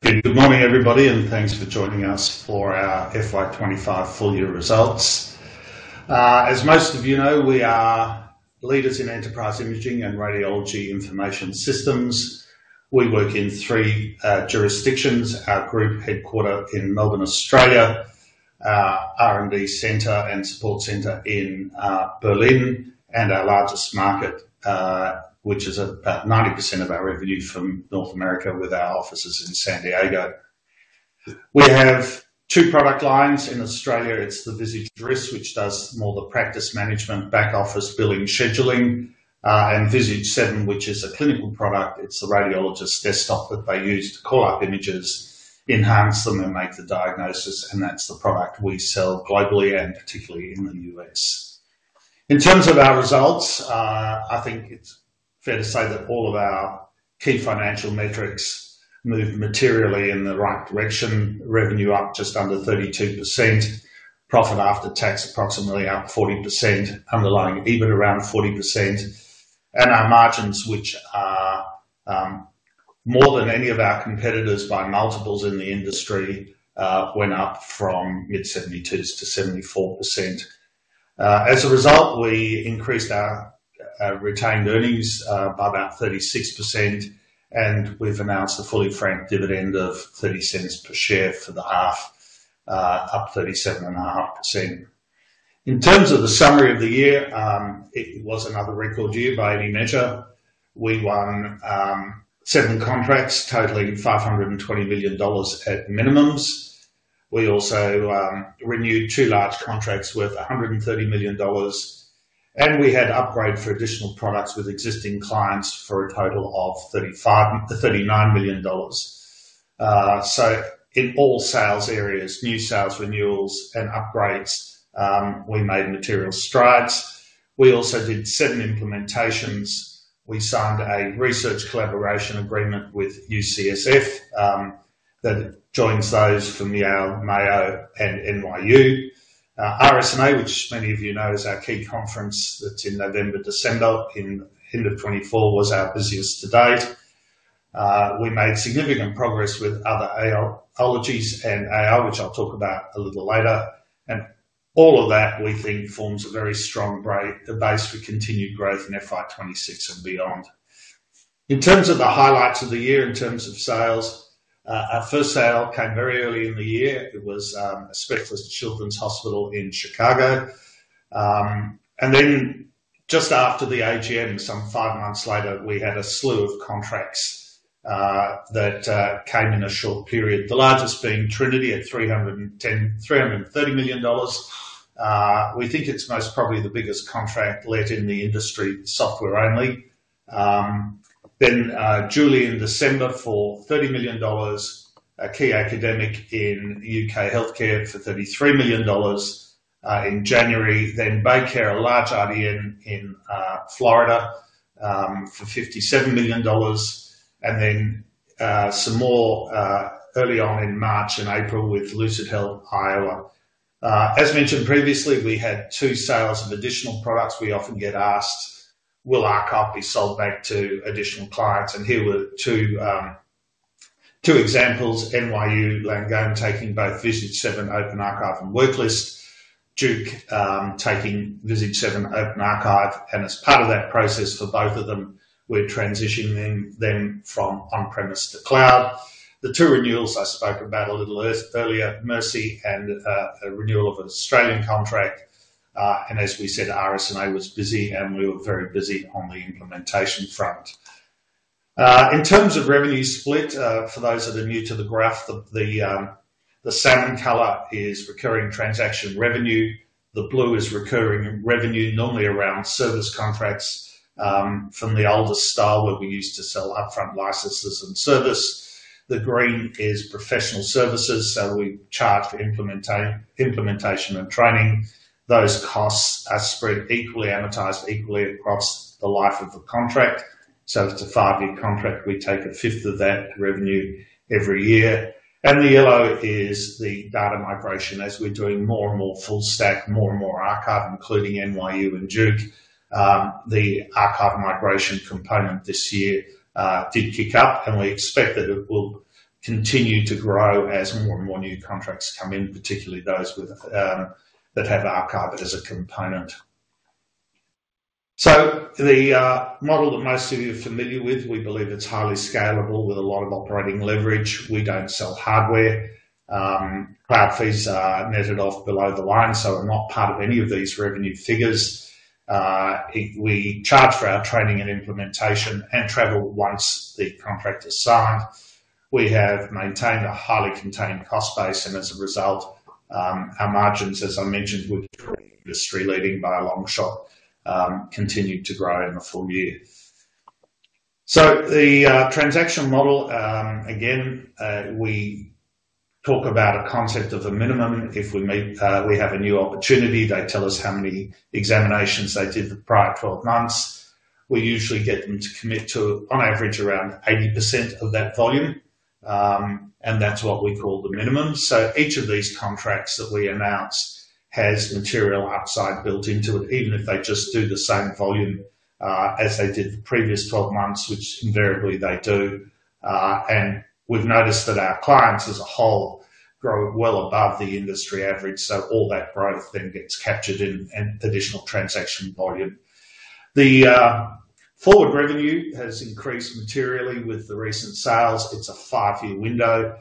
Good morning, everybody, and thanks for joining us for our FY 2025 full-year results. As most of you know, we are leaders in enterprise imaging and radiology information systems. We work in three jurisdictions – our group headquartered in Melbourne, Australia, our R&D center and support center in Berlin, and our largest market, which is about 90% of our revenue from North America, with our offices in San Diego. We have two product lines in Australia. It's the Visage RIS, which does more of the practice management, back office, billing, scheduling, and Visage 7, which is a clinical product. It's the radiologist's desktop that they use to call up images, enhance them, and make the diagnosis. That's the product we sell globally and particularly in the U.S. In terms of our results, I think it's fair to say that all of our key financial metrics move materially in the right direction. Revenue up just under 32%, profit after tax approximately up 40%, underlying EBIT around 40%, and our margins, which are more than any of our competitors by multiples in the industry, went up from mid-72% to 74%. As a result, we increased our retained earnings by about 36%, and we've announced a fully franked dividend of $0.30 per share for the half, up 37.5%. In terms of the summary of the year, it was another record year by any measure. We won seven contracts, totaling $520 million at minimums. We also renewed two large contracts worth $130 million, and we had upgrades for additional products with existing clients for a total of $39 million. In all sales areas, new sales, renewals, and upgrades, we made material strides. We also did seven implementations. We signed a research collaboration agreement with UCSF that joins those from Yale, Mayo, and NYU Langone. RSNA, which many of you know is our key conference that's in November, December, and the 2024 was our busiest to date. We made significant progress with other AI applications and AI, which I'll talk about a little later. All of that, we think, forms a very strong base for continued growth in FY 2026 and beyond. In terms of the highlights of the year, in terms of sales, our first sale came very early in the year. It was a specialist children's hospital in Chicago. Just after the AGM, some five months later, we had a slew of contracts that came in a short period. The largest being Trinity Health at $330 million. We think it's most probably the biggest contract let in the industry, software only. In December, Julie for $30 million, a key academic in UK healthcare for $33 million in January. BayCare, a large RDN in Florida for $57 million. Some more early on in March and April with LucidHealth Iowa. As mentioned previously, we had two sales of additional products. We often get asked, will our copy be sold back to additional clients? Here were two examples: NYU Langone taking both Visage 7 Open Archive and Worklist, Duke University taking Visage 7 Open Archive. As part of that process for both of them, we're transitioning them from on-premise to cloud. The two renewals I spoke about a little earlier, Mercy and a renewal of an Australian contract. As we said, RSNA was busy and we were very busy on the implementation front. In terms of revenue split, for those that are new to the graph, the salmon color is recurring transaction revenue. The blue is recurring revenue, normally around service contracts from the older style where we used to sell upfront licenses and service. The green is professional services. We charge for implementation and training. Those costs are spread equally, amortized equally across the life of the contract. If it's a five-year contract, we take a fifth of that revenue every year. The yellow is the data migration. As we're doing more and more full stack, more and more archive, including NYU Langone and Duke University, the archive migration component this year did kick up. We expect that it will continue to grow as more and more new contracts come in, particularly those that have archive as a component. The model that most of you are familiar with, we believe it's highly scalable with a lot of operating leverage. We don't sell hardware. Cloud fees are netted off below the line. We're not part of any of these revenue figures. We charge for our training and implementation and travel once the contract is signed. We have maintained a highly contained cost base. As a result, our margins, as I mentioned, would be industry leading by a long shot, continue to grow in the full year. The transaction model, again, we talk about a concept of a minimum. If we meet, we have a new opportunity, they tell us how many examinations they did the prior 12 months. We usually get them to commit to, on average, around 80% of that volume. That's what we call the minimum. Each of these contracts that we announce has material upside built into it, even if they just do the same volume as they did the previous 12 months, which invariably they do. We've noticed that our clients as a whole grow well above the industry average. All that growth then gets captured in additional transaction volume. The forward revenue has increased materially with the recent sales. It's a five-year window.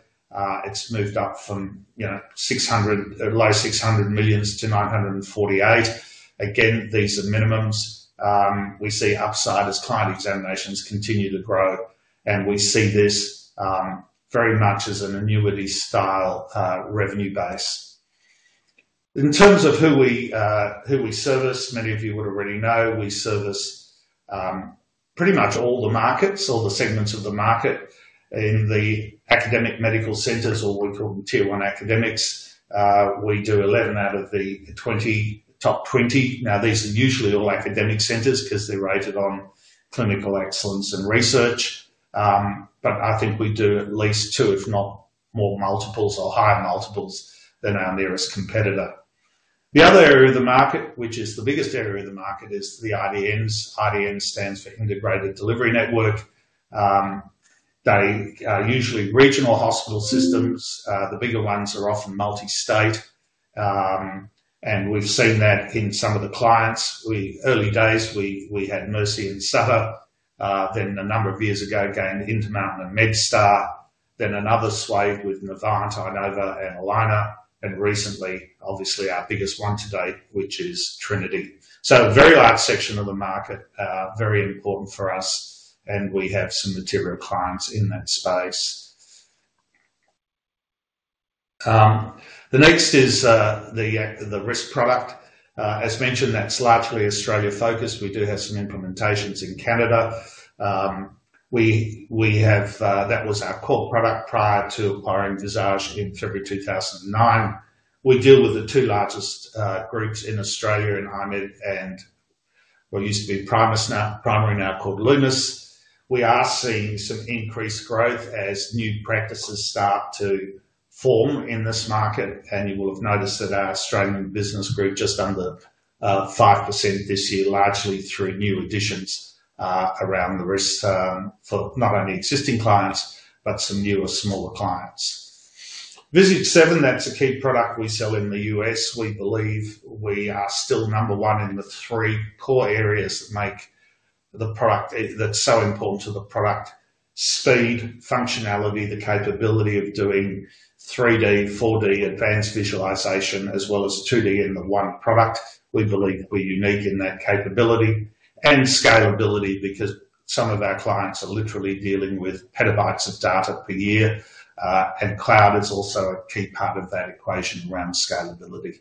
It's moved up from, you know, low $600 million-$948 million. Again, these are minimums. We see upside as client examinations continue to grow. We see this very much as an annuity-style revenue base. In terms of who we service, many of you would already know we service pretty much all the markets, all the segments of the market in the academic medical centers, or we call them tier one academics. We do 11 out of the top 20. Now, these are usually all academic centers because they're rated on clinical excellence and research. I think we do at least two, if not more multiples, or higher multiples than our nearest competitor. The other area of the market, which is the biggest area of the market, is the IDNs. IDN stands for Integrated Delivery Network. They are usually regional hospital systems. The bigger ones are often multi-state, and we've seen that in some of the clients. Early days, we had Mercy and Sutter. A number of years ago, gained Intermountain and MedStar. Another swathe with Novant, Inova, and Allina. Recently, obviously, our biggest one to date, which is Trinity. A very large section of the market, very important for us, and we have some material clients in that space. The next is the RIS product. As mentioned, that's largely Australia-focused. We do have some implementations in Canada. That was our core product prior to acquiring Visage in February 2009. We deal with the two largest groups in Australia in I-MED and what used to be Primary, now called Lumus. We are seeing some increased growth as new practices start to form in this market. You will have noticed that our Australian business grew just under 5% this year, largely through new additions around the RIS for not only existing clients but some newer, smaller clients. Visage 7, that's a key product we sell in the U.S. We believe we are still number one in the three core areas that make the product that's so important to the product – speed, functionality, the capability of doing 3D, 4D, advanced visualization, as well as 2D in the one product. We believe we're unique in that capability and scalability because some of our clients are literally dealing with petabytes of data per year. Cloud is also a key part of that equation around scalability.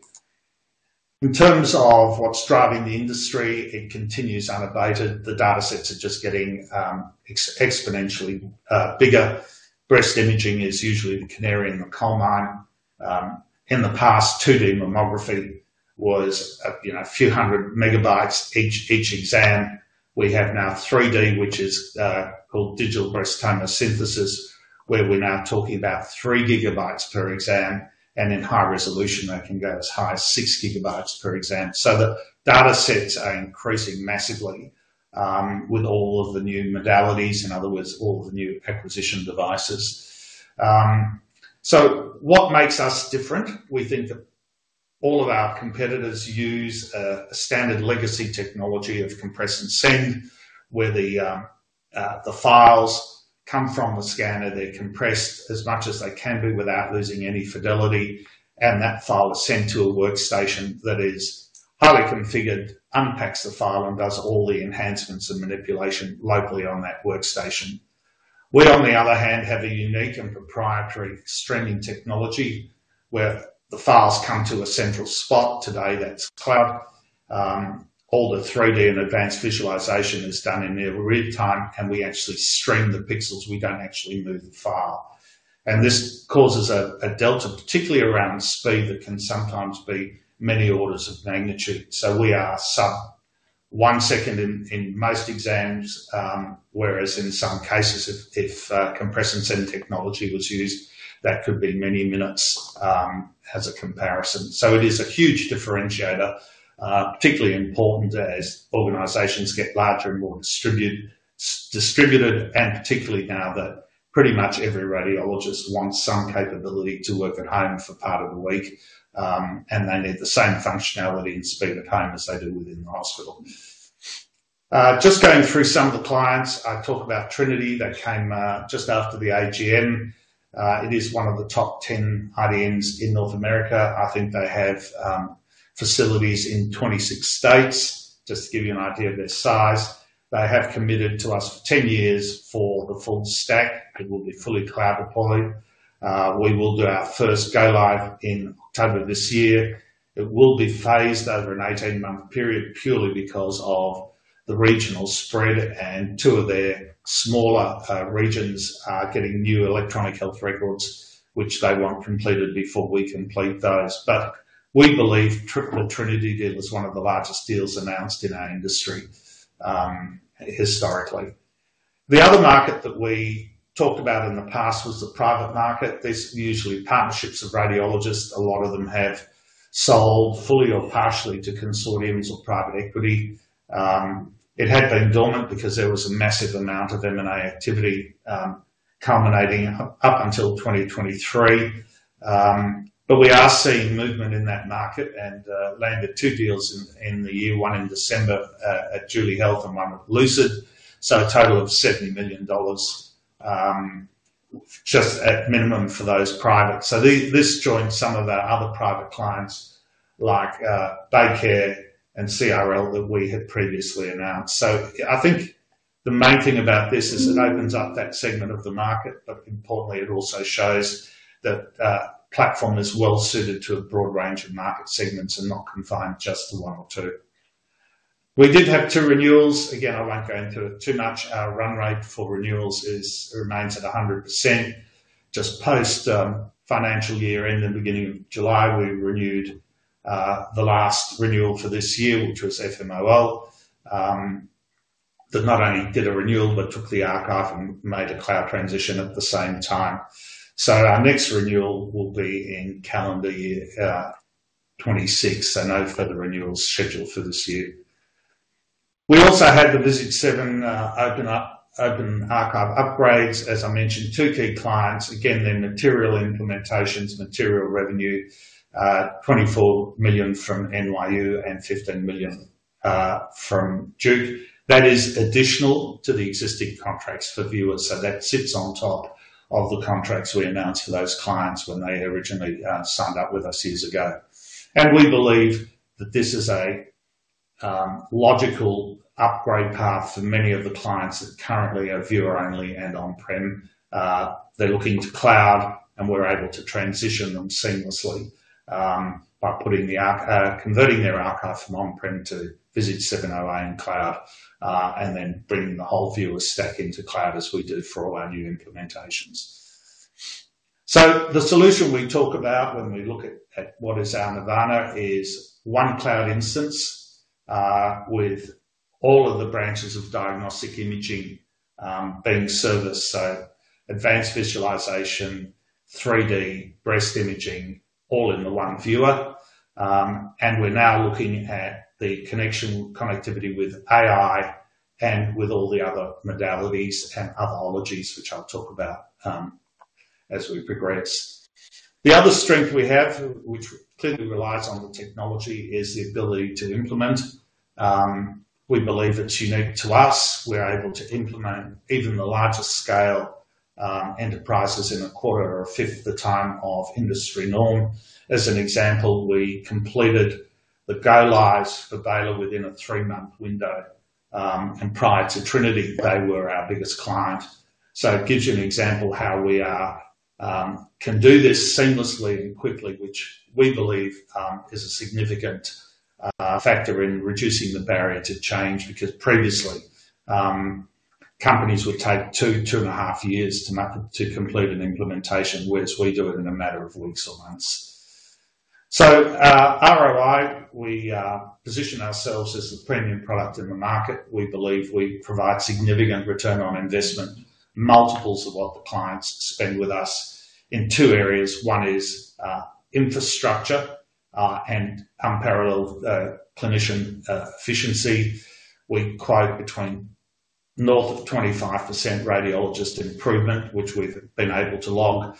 In terms of what's driving the industry, it continues unabated. The datasets are just getting exponentially bigger. Breast imaging is usually the canary in the coal mine. In the past, 2D mammography was a few hundred megabytes each exam. We have now 3D, which is called digital breast tomosynthesis, where we're now talking about three gigabytes per exam. In high resolution, they can go as high as six gigabytes per exam. The datasets are increasing massively with all of the new modalities. In other words, all of the new acquisition devices. What makes us different? We think that all of our competitors use a standard legacy technology of compress and send, where the files come from a scanner. They're compressed as much as they can be without losing any fidelity. That file is sent to a workstation that is highly configured, unpacks the file, and does all the enhancements and manipulation locally on that workstation. We, on the other hand, have a unique and proprietary streaming technology where the files come to a central spot today. That's cloud. All the 3D and advanced visualization is done in near real time, and we actually stream the pixels. We don't actually move the file. This causes a delta, particularly around speed, that can sometimes be many orders of magnitude. We are sub one second in most exams, whereas in some cases, if compress and send technology was used, that could be many minutes as a comparison. It is a huge differentiator, particularly important as organizations get larger and more distributed, and particularly now that pretty much every radiologist wants some capability to work at home for part of the week, and they need the same functionality and speed at home as they do within the hospital. Just going through some of the clients, I talk about Trinity that came just after the AGM. It is one of the top 10 IDNs in North America. I think they have facilities in 26 states. Just to give you an idea of their size, they have committed to us for 10 years for the full stack. It will be fully cloud deployed. We will do our first go live in October this year. It will be phased over an 18-month period purely because of the regional spread, and two of their smaller regions are getting new electronic health records, which they want completed before we complete those. We believe the Trinity deal is one of the largest deals announced in our industry historically. The other market that we talked about in the past was the private market. This is usually partnerships of radiologists. A lot of them have sold fully or partially to consortiums or private equity. It had been dormant because there was a massive amount of M&A activity culminating up until 2023. We are seeing movement in that market and landed two deals in the year, one in December at LucidHealth and one with Julie Health. A total of $70 million just at minimum for those private. This joins some of our other private clients like BayCare and CRL that we had previously announced. I think the main thing about this is it opens up that segment of the market, but importantly, it also shows that the platform is well suited to a broad range of market segments and not confined just to one or two. We did have two renewals. Again, I won't go into it too much. Our run rate for renewals remains at 100%. Just post-financial year in the beginning of July, we renewed the last renewal for this year, which was FMOL. They not only did a renewal but took the archive and made a cloud transition at the same time. Our next renewal will be in calendar year 2026. No further renewals scheduled for this year. We also had the Visage 7 Open Archive upgrades. As I mentioned, two key clients. Again, their material implementations, material revenue, $24 million from NYU Langone and $15 million from Duke University. That is additional to the existing contracts for viewers. That sits on top of the contracts we announced for those clients when they originally signed up with us years ago. We believe that this is a logical upgrade path for many of the clients that currently are viewer only and on-prem. They're looking to cloud, and we're able to transition them seamlessly by converting their archive from on-prem to Visage 7 Open Archive in cloud and then bringing the whole viewer stack into cloud as we do for all our new implementations. The solution we talk about when we look at what is our Nirvana is one cloud instance with all of the branches of diagnostic imaging being serviced. Advanced visualization, 3D breast imaging, all in the one viewer. We're now looking at the connectivity with AI and with all the other modalities and other areas, which I'll talk about as we progress. The other strength we have, which clearly relies on the technology, is the ability to implement. We believe it's unique to us. We're able to implement even the largest scale enterprises in a quarter or a fifth of the time of industry norm. As an example, we completed the go-lives for Baylor Scott & White within a three-month window. Prior to Trinity Health, they were our biggest client. It gives you an example of how we can do this seamlessly and quickly, which we believe is a significant factor in reducing the barrier to change because previously, companies would take two, two and a half years to complete an implementation, whereas we do it in a matter of weeks or months. ROI, we position ourselves as a premium product in the market. We believe we provide significant return on investment, multiples of what the clients spend with us in two areas. One is infrastructure and unparalleled clinician efficiency. We quote north of 25% radiologist improvement, which we've been able to log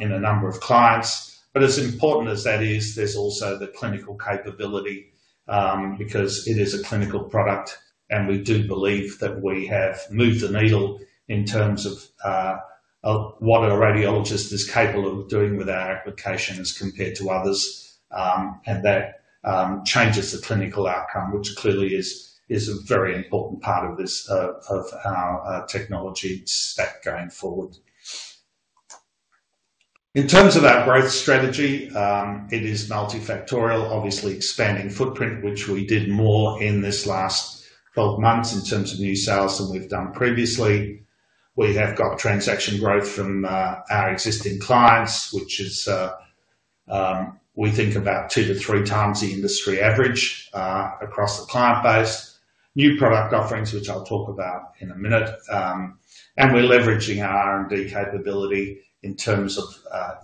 in a number of clients. As important as that is, there's also the clinical capability because it is a clinical product. We do believe that we have moved the needle in terms of what a radiologist is capable of doing with our application as compared to others. That changes the clinical outcome, which clearly is a very important part of our technology stack going forward. In terms of our growth strategy, it is multifactorial. Obviously, expanding footprint, which we did more in this last 12 months in terms of new sales than we've done previously. We have got transaction growth from our existing clients, which is, we think, about 2x-3x the industry average across the client base. New product offerings, which I'll talk about in a minute. We're leveraging our R&D capability in terms of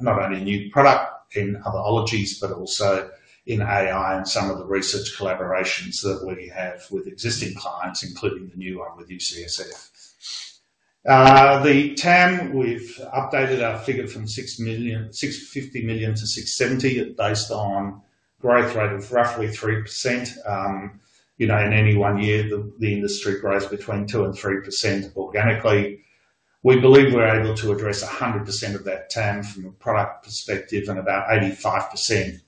not only new product in other areas, but also in AI and some of the research collaborations that we have with existing clients, including the new one with UCSF. The TAM, we've updated our figure from $650 million-$670 million based on growth rate of roughly 3%. In any one year, the industry grows between 2% and 3% organically. We believe we're able to address 100% of that TAM from a product perspective and about 85%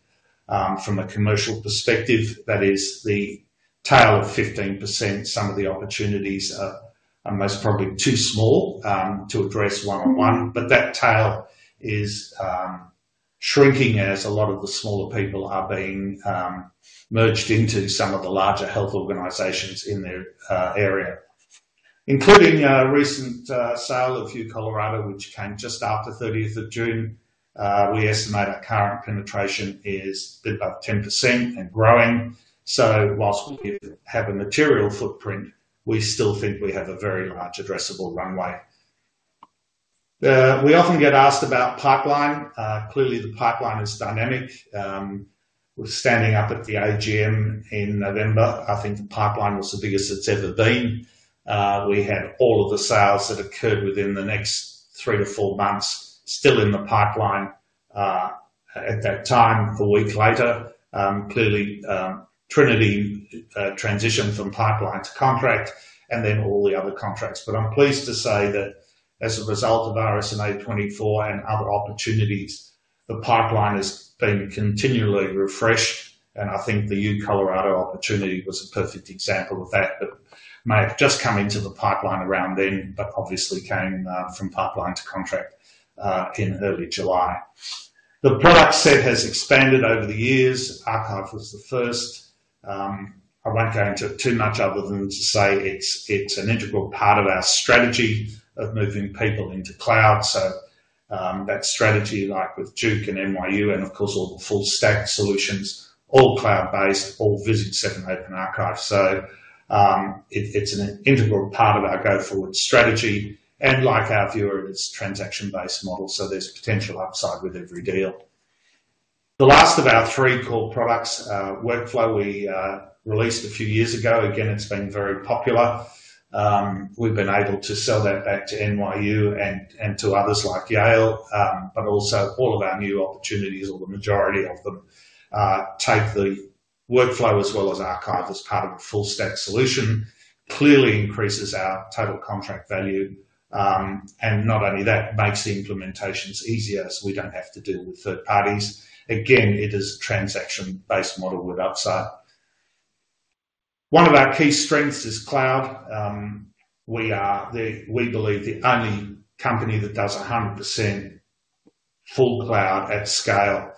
from a commercial perspective. That is the tail of 15%. Some of the opportunities are most probably too small to address one-on-one. That tail is shrinking as a lot of the smaller people are being merged into some of the larger health organizations in their area. Including a recent sale of U Colorado, which came just after June 30, we estimate our current penetration is about 10% and growing. Whilst we have a material footprint, we still think we have a very large addressable runway. We often get asked about pipeline. Clearly, the pipeline is dynamic. We're standing up at the AGM in November. I think the pipeline was the biggest it's ever been. We had all of the sales that occurred within the next three to four months still in the pipeline at that time, a week later. Trinity transitioned from pipeline to contract and then all the other contracts. I'm pleased to say that as a result of RSNA24 and other opportunities, the pipeline has been continually refreshed. I think the U Colorado opportunity was a perfect example of that that may have just come into the pipeline around then, but obviously came from pipeline to contract in early July. The product set has expanded over the years. Archive was the first. I won't go into it too much other than to say it's an integral part of our strategy of moving people into cloud. That strategy, like with Duke University and NYU Langone, and of course, all the full stack solutions, all cloud-based, all Visage 7 Open Archive. It's an integral part of our go-forward strategy. Like our viewer, it's a transaction-based model. There's potential upside with every deal. The last of our three core products, Workflow, we released a few years ago. It's been very popular. We've been able to sell that back to NYU Langone and to others like Yale. All of our new opportunities, or the majority of them, take the Workflow as well as Archive as part of the full stack solution. This clearly increases our total contract value. Not only that, it makes implementations easier as we don't have to deal with third parties. It is a transaction-based model with upside. One of our key strengths is cloud. We believe we are the only company that does 100% full cloud at scale.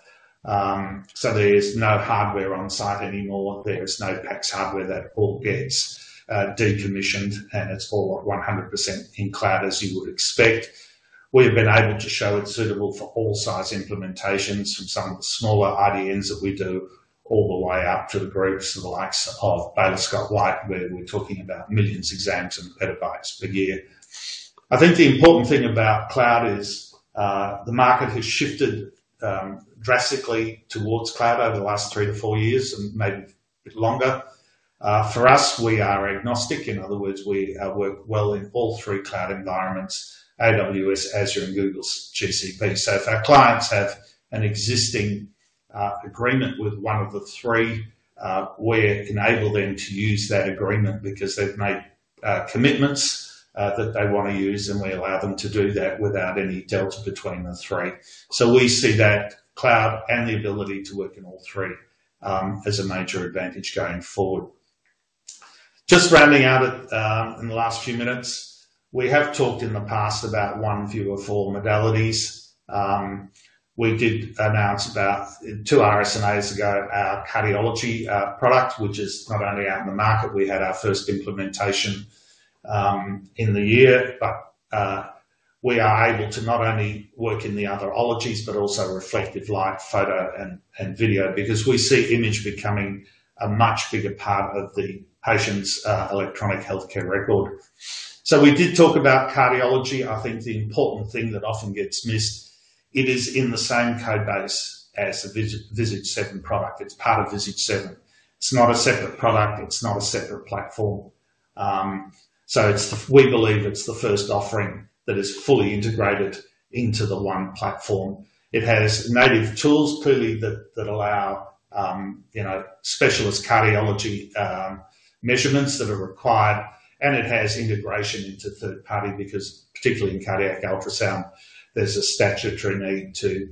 There's no hardware on site anymore. There's no PACS hardware. That all gets decommissioned and it's all 100% in cloud, as you would expect. We have been able to show it's suitable for all size implementations from some smaller IDNs that we do all the way up to the groups of the likes of Baylor Scott & White, where we're talking about millions of exams and petabytes per year. I think the important thing about cloud is the market has shifted drastically towards cloud over the last three to four years and maybe a bit longer. For us, we are agnostic. In other words, we work well in all three cloud environments – AWS, Azure, and Google's GCP. If our clients have an existing agreement with one of the three, we enable them to use that agreement because they've made commitments that they want to use, and we allow them to do that without any delta between the three. We see that cloud and the ability to work in all three as a major advantage going forward. Just rounding out in the last few minutes, we have talked in the past about one view of all modalities. We did announce about two RSNAs ago our cardiology product, which is not only out in the market. We had our first implementation in the year, but we are able to not only work in the other modalities, but also reflective light, photo, and video because we see image becoming a much bigger part of the patient's electronic healthcare record. We did talk about cardiology. I think the important thing that often gets missed, it is in the same code base as the Visage 7 product. It's part of Visage 7. It's not a separate product. It's not a separate platform. We believe it's the first offering that is fully integrated into the one platform. It has native tools, clearly, that allow specialist cardiology measurements that are required. It has integration into third party because, particularly in cardiac ultrasound, there's a statutory need to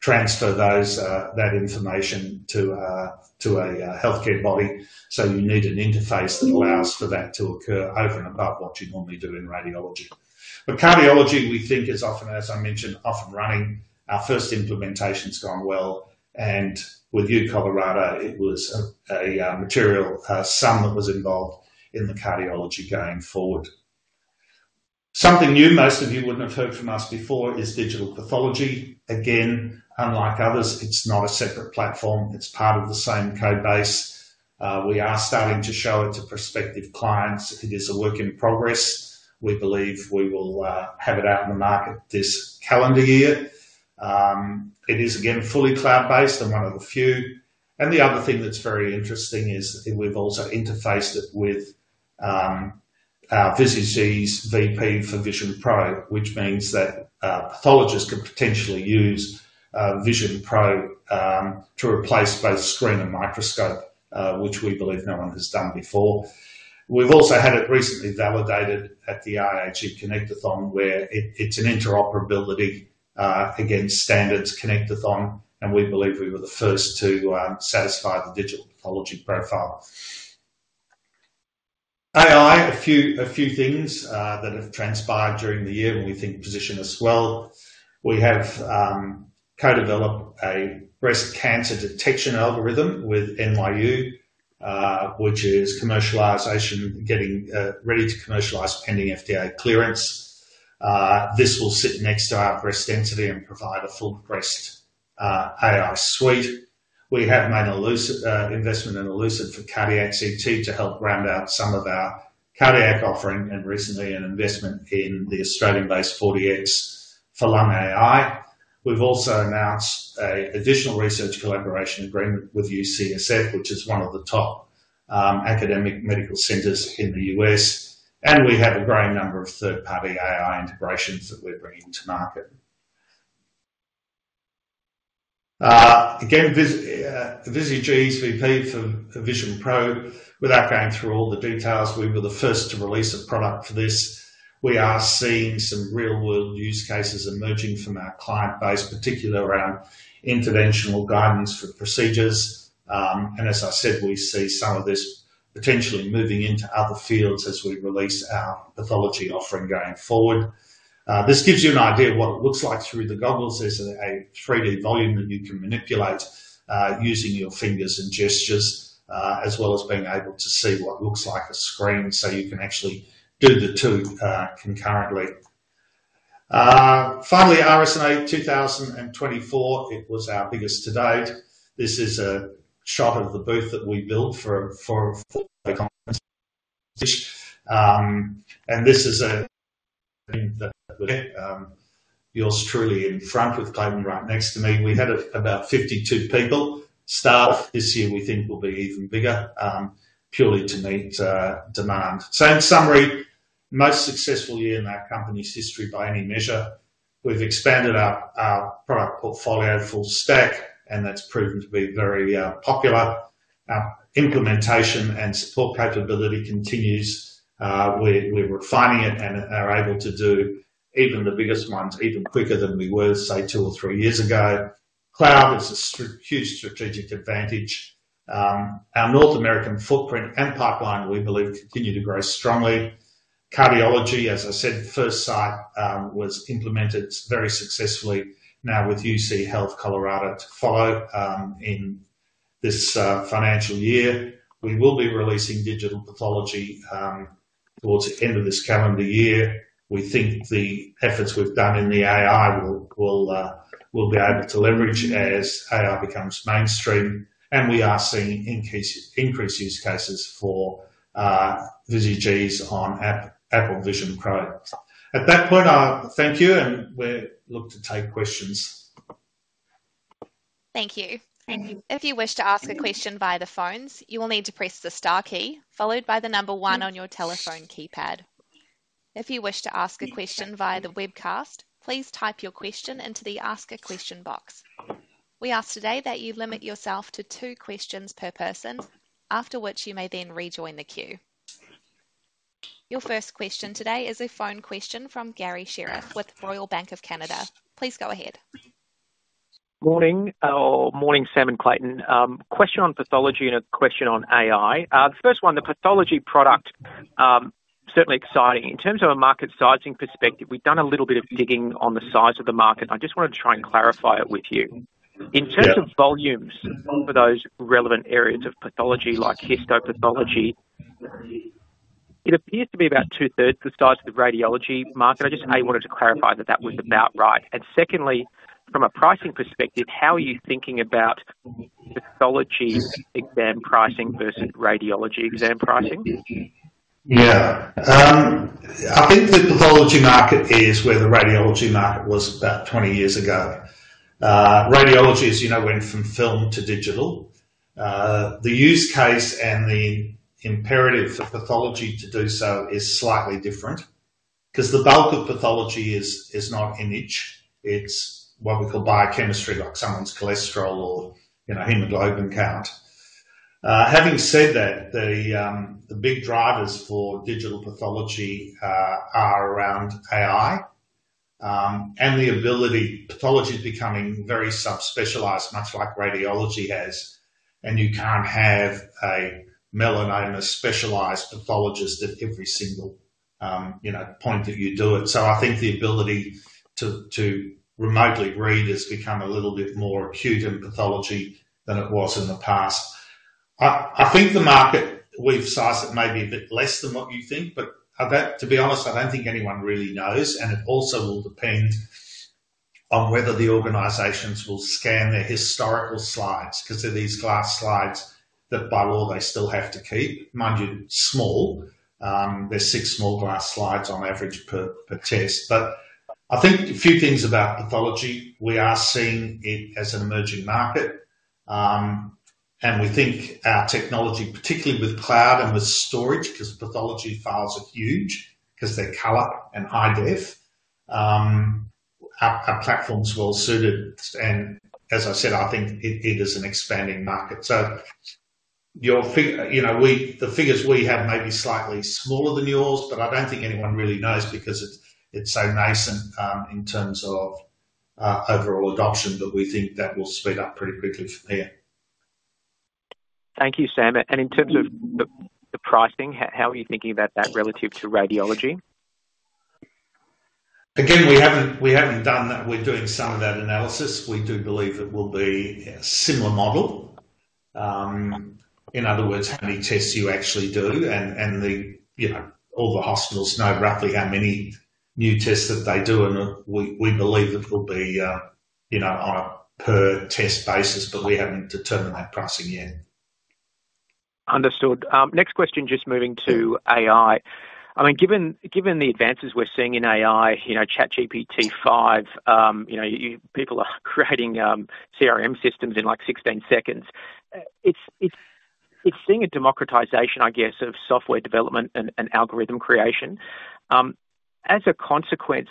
transfer that information to a healthcare body. You need an interface that allows for that to occur over and above what you normally do in radiology. Cardiology, we think, is often, as I mentioned, off and running. Our first implementation's gone well. With UCHealth, it was a material sum that was involved in the cardiology going forward. Something new most of you wouldn't have heard from us before is digital pathology. Again, unlike others, it's not a separate platform. It's part of the same code base. We are starting to show it to prospective clients. It is a work in progress. We believe we will have it out in the market this calendar year. It is, again, fully cloud-based and one of the few. The other thing that's very interesting is we've also interfaced it with our Visage 7 for Visage Ease Pro, which means that pathologists could potentially use Visage Ease Pro to replace both screen and microscope, which we believe no one has done before. We've also had it recently validated at the IHE Connectathon, where it's an interoperability against standards Connectathon. We believe we were the first to satisfy the digital pathology profile. AI, a few things that have transpired during the year when we think position as well. We have co-developed a breast cancer detection algorithm with NYU Langone, which is commercialization, getting ready to commercialize pending FDA clearance. This will sit next to our breast density and provide a full breast AI suite. We have made an investment in Elucid for cardiac CT AI to help round out some of our cardiac offering and recently an investment in the Australian-based 4DMedical for lung AI. We've also announced an additional research collaboration agreement with UCSF, which is one of the top academic medical centers in the U.S. We have a growing number of third-party AI integrations that we're bringing to market. Again, Visage 7 for Visage Ease Pro, without going through all the details, we were the first to release a product for this. We are seeing some real-world use cases emerging from our client base, particularly around interventional guidance for procedures. As I said, we see some of this potentially moving into other fields as we release our pathology offering going forward. This gives you an idea of what it looks like through the goggles. There's a 3D volume that you can manipulate using your fingers and gestures, as well as being able to see what looks like a screen. You can actually do the two concurrently. Finally, RSNA 2024, it was our biggest to date. This is a shot of the booth that we built for a conference. This is yours truly in front with Clayton right next to me. We had about 52 people staff. This year, we think we'll be even bigger purely to meet demand. In summary, most successful year in our company's history by any measure. We've expanded our product portfolio full stack, and that's proven to be very popular. Our implementation and support capability continues. We're refining it and are able to do even the biggest ones even quicker than we were, say, two or three years ago. Cloud is a huge strategic advantage. Our North American footprint and pipeline, we believe, continue to grow strongly. Cardiology, as I said, first site was implemented very successfully, now with UCHealth Colorado to follow in this financial year. We will be releasing digital pathology towards the end of this calendar year. We think the efforts we've done in the AI will be able to leverage as AI becomes mainstream. We are seeing increased use cases for Visage Ease on Apple Vision Pro. At that point, I thank you and we look to take questions. Thank you. If you wish to ask a question via the phones, you will need to press the star key followed by the number one on your telephone keypad. If you wish to ask a question via the webcast, please type your question into the ask a question box. We ask today that you limit yourself to two questions per person, after which you may then rejoin the queue. Your first question today is a phone question from Gary Sherriff with Royal Bank of Canada. Please go ahead. Morning, or morning Sam and Clayton. Question on pathology and a question on AI. The first one, the pathology product, certainly exciting. In terms of a market sizing perspective, we've done a little bit of digging on the size of the market. I just wanted to try and clarify it with you. In terms of volumes for those relevant areas of pathology, like histopathology, it appears to be about two-thirds the size of the radiology market. I just wanted to clarify that that was about right. Secondly, from a pricing perspective, how are you thinking about pathology exam pricing versus radiology exam pricing? Yeah. I think the pathology market is where the radiology market was about 20 years ago. Radiology, as you know, went from film to digital. The use case and the imperative for pathology to do so is slightly different because the bulk of pathology is not image. It's what we call biochemistry, like someone's cholesterol or hemoglobin count. Having said that, the big drivers for digital pathology are around AI and the ability pathology is becoming very subspecialized, much like radiology has. You can't have a melanoma specialized pathologist at every single point that you do it. I think the ability to remotely read has become a little bit more acute in pathology than it was in the past. I think the market, we've sized it maybe a bit less than what you think, but to be honest, I don't think anyone really knows. It also will depend on whether the organizations will scan their historical slides because they're these glass slides that by law they still have to keep. Mind you, small. There's six small glass slides on average per test. I think a few things about pathology. We are seeing it as an emerging market. We think our technology, particularly with cloud and with storage, because pathology files are huge because they're color and high glyph, our platforms will suit it. I think it is an expanding market. Your, you know, the figures we have may be slightly smaller than yours, but I don't think anyone really knows because it's so nascent in terms of overall adoption. We think that will speed up pretty quickly from here. Thank you, Sam. In terms of the pricing, how are you thinking about that relative to radiology? We haven't done that. We're doing some of that analysis. We do believe it will be a similar model. In other words, how many tests you actually do. All the hospitals know roughly how many new tests that they do. We believe it will be on a per test basis, but we haven't determined that pricing yet. Understood. Next question, just moving to AI. Given the advances we're seeing in AI, you know, ChatGPT-5, people are creating CRM systems in like 16 seconds. It's seeing a democratization, I guess, of software development and algorithm creation. As a consequence,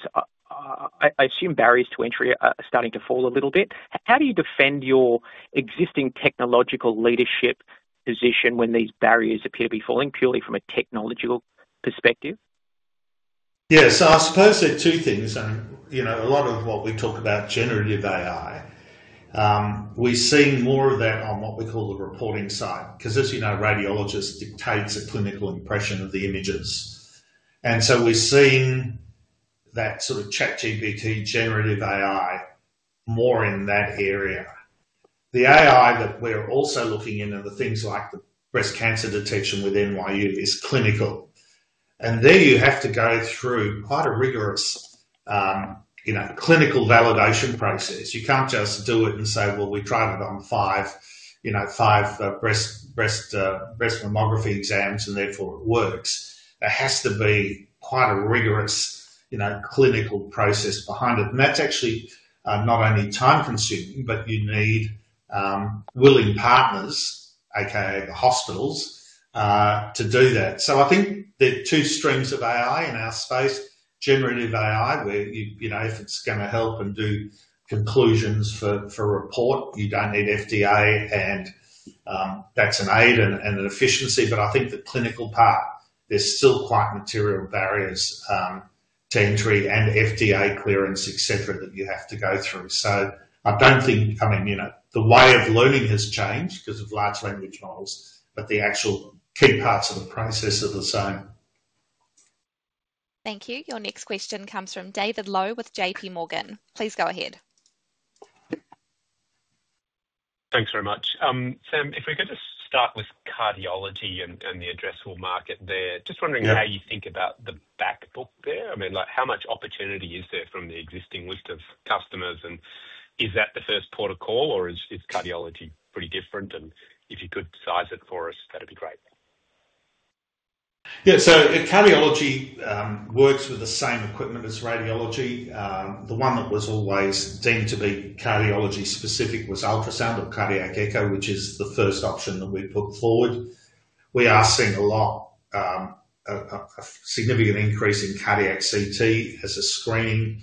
I assume barriers to entry are starting to fall a little bit. How do you defend your existing technological leadership position when these barriers appear to be falling purely from a technological perspective? Yeah. I suppose there are two things. You know, a lot of what we talk about, generative AI, we're seeing more of that on what we call the reporting side because, as you know, radiologists dictate the clinical impression of the images. We're seeing that sort of ChatGPT generative AI more in that area. The AI that we're also looking in and the things like breast cancer detection with NYU Langone is clinical. There you have to go through quite a rigorous clinical validation process. You can't just do it and say, we tried it on five breast mammography exams and therefore it works. There has to be quite a rigorous clinical process behind it. That's actually not only time-consuming, but you need willing partners, AKA the hospitals, to do that. I think there are two streams of AI in our space. Generative AI, where you know if it's going to help and do conclusions for a report, you don't need FDA. That's an aid and an efficiency. I think the clinical part, there's still quite material barriers to entry and FDA clearance, et cetera, that you have to go through. I don't think, I mean, you know, the way of learning has changed because of large language models, but the actual key parts of the process are the same. Thank you. Your next question comes from David Low with JPMorgan. Please go ahead. Thanks very much. Sam, if we could just start with cardiology and the addressable market there, just wondering how you think about the back book there. I mean, like how much opportunity is there from the existing list of customers? Is that the first port of call or is cardiology pretty different? If you could size it for us, that'd be great. Yeah. Cardiology works with the same equipment as radiology. The one that was always deemed to be cardiology specific was ultrasound or cardiac echo, which is the first option that we put forward. We are seeing a lot of significant increase in cardiac CT as a screening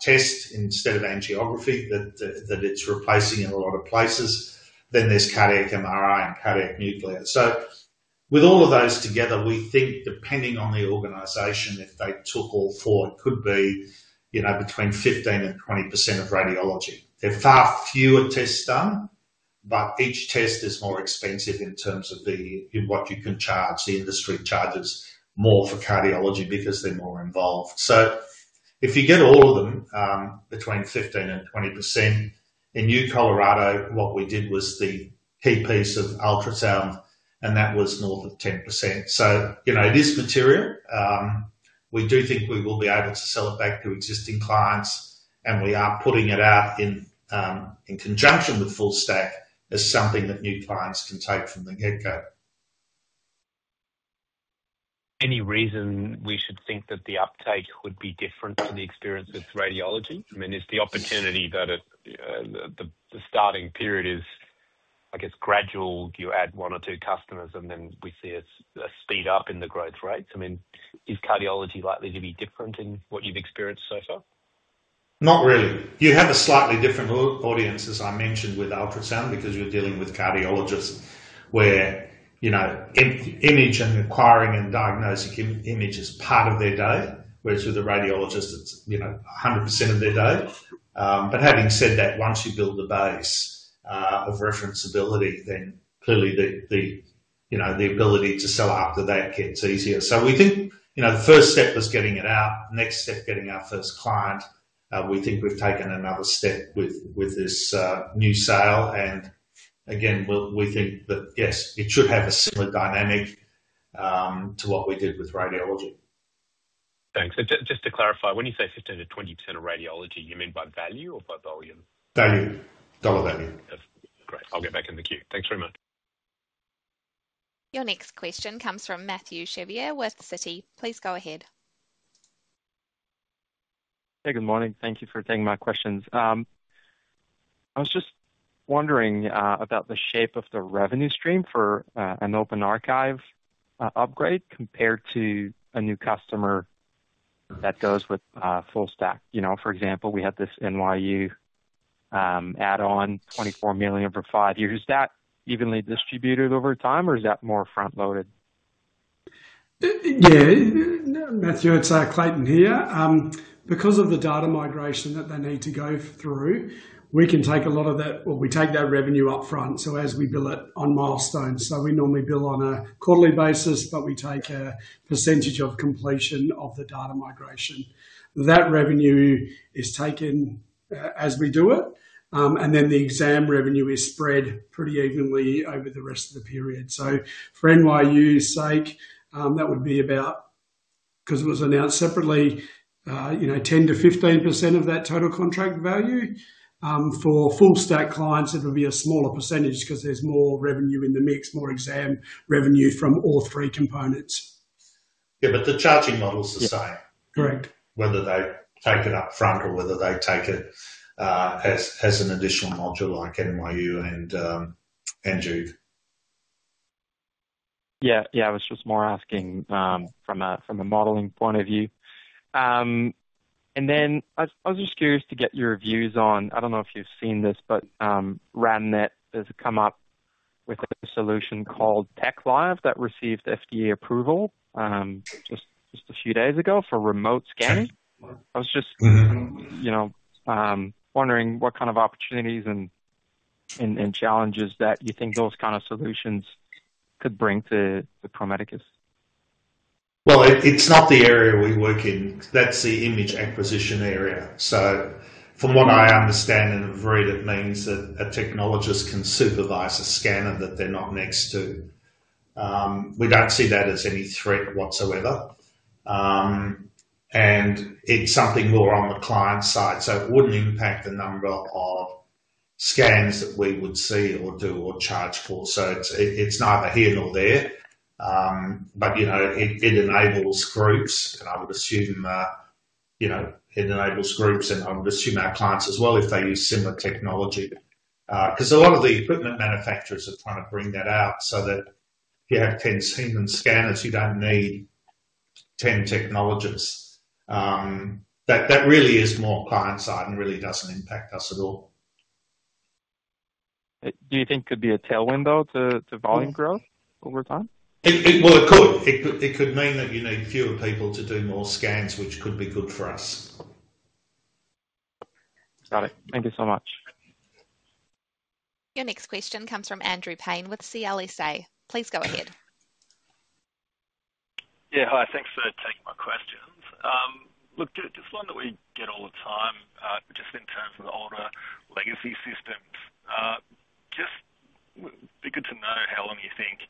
test instead of angiography that it's replacing in a lot of places. There is cardiac MRI and cardiac nuclear. With all of those together, we think depending on the organization, if they took all four, it could be between 15% and 20% of radiology. There are far fewer tests done, but each test is more expensive in terms of what you can charge. The industry charges more for cardiology because they're more involved. If you get all of them, between 15% and 20%. In UCHealth, what we did was the key piece of ultrasound, and that was north of 10%. It is material. We do think we will be able to sell it back to existing clients, and we are putting it out in conjunction with full stack as something that new clients can take from the get-go. Any reason we should think that the uptake would be different for the experience with radiology? Is the opportunity that the starting period is, I guess, gradual? You add one or two customers, and then we see a speed up in the growth rates. Is cardiology likely to be different in what you've experienced so far? Not really. You have a slightly different audience, as I mentioned, with ultrasound because you're dealing with cardiologists where, you know, image and acquiring and diagnosing image is part of their day, whereas with a radiologist, it's 100% of their day. Having said that, once you build the base of referenceability, then clearly the ability to sell after that gets easier. We think the first step was getting it out. Next step, getting our first client. We think we've taken another step with this new sale. Again, we think that, yes, it should have a similar dynamic to what we did with radiology. Thanks. Just to clarify, when you say 15%-20% of radiology, do you mean by value or by volume? Value. Dollar value. Great. I'll get back in the queue. Thanks very much. Your next question comes from Mathieu Chevrier with Citi. Please go ahead. Hey, good morning. Thank you for taking my questions. I was just wondering about the shape of the revenue stream for an open archive upgrade compared to a new customer that goes with full stack. For example, we have this NYU add-on $24 million over five years. Is that evenly distributed over time, or is that more front-loaded? Yeah, Matthew, it's Clayton here. Because of the data migration that they need to go through, we can take a lot of that, or we take that revenue upfront. We bill it on milestones, so we normally bill on a quarterly basis, but we take a percentage of completion of the data migration. That revenue is taken as we do it. The exam revenue is spread pretty evenly over the rest of the period. For NYU Langone's sake, that would be about, because it was announced separately, you know, 10%-15% of that total contract value. For full stack clients, it'll be a smaller percentage because there's more revenue in the mix, more exam revenue from all three components. Yeah, the charging model's the same. Correct. Whether they take it upfront or whether they take it as an additional module like NYU and Duke. I was just more asking from a modeling point of view. I was just curious to get your views on, I don't know if you've seen this, but RAMNet has come up with a solution called TechLive that received FDA approval just a few days ago for remote scanning. I was just wondering what kind of opportunities and challenges that you think those kind of solutions could bring to Pro Medicus. It's not the area we work in. That's the image acquisition area. From what I understand and have read, it means that a technologist can supervise a scanner that they're not next to. We don't see that as any threat whatsoever. It's something more on the client side. It wouldn't impact the number of scans that we would see or do or charge for. It's neither here nor there. It enables groups, and I would assume our clients as well if they use similar technology. A lot of the equipment manufacturers are trying to bring that out so that if you have 10 scanners, you don't need 10 technologists. That really is more client-side and really doesn't impact us at all. Do you think it could be a tailwind though to volume growth over time? It could mean that you need fewer people to do more scans, which could be good for us. Got it. Thank you so much. Your next question comes from Andrew Paine with CLSA. Please go ahead. Yeah, hi. Thanks for taking my questions. Just one that we get all the time, but just in terms of the older legacy systems, just be good to know how long you think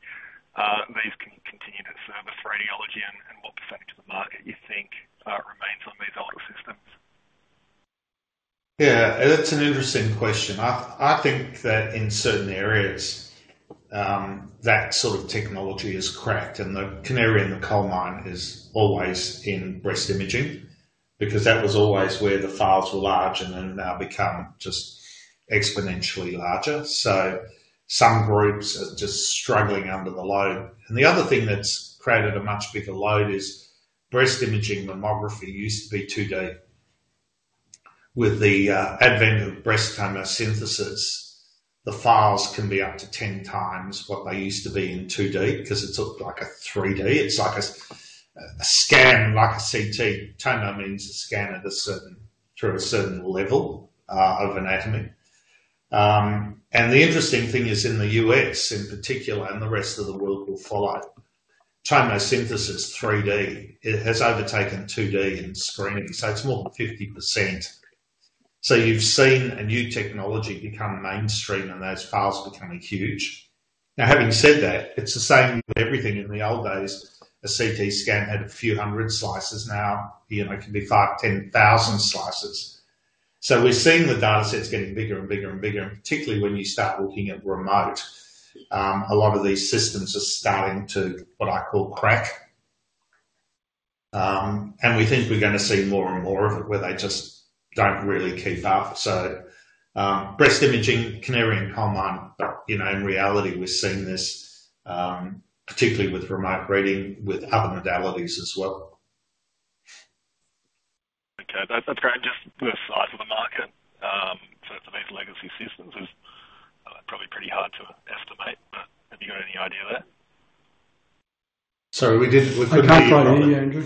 these can continue to serve us, radiology, and what % of the market you think remains on these older systems. Yeah, that's an interesting question. I think that in certain areas, that sort of technology is cracked. The canary in the coal mine is always in breast imaging because that was always where the files were large, and they've now become just exponentially larger. Some groups are just struggling under the load. The other thing that's created a much bigger load is breast imaging mammography used to be 2D. With the advent of breast tomosynthesis, the files can be up to 10x what they used to be in 2D because it's like a 3D. It's like a scan, like a CT. Tomo means a scan at a certain level of anatomy. The interesting thing is in the U.S. in particular, and the rest of the world will follow, tomosynthesis 3D has overtaken 2D in screening. It's more than 50%. You've seen a new technology become mainstream and those files becoming huge. Having said that, it's the same with everything. In the old days, a CT scan had a few hundred slices. Now, you know, it can be 5,000, 10,000 slices. We're seeing the datasets getting bigger and bigger and bigger, and particularly when you start looking at remote, a lot of these systems are starting to, what I call, crack. We think we're going to see more and more of it where they just don't really keep up. Breast imaging, canary in coal mine, in reality, we're seeing this, particularly with remote reading with other modalities as well. Okay, that's great. Just the size of the market for these legacy systems is probably pretty hard to estimate, but have you got any idea there? Sorry, we didn't. We couldn't hear you, Andrew.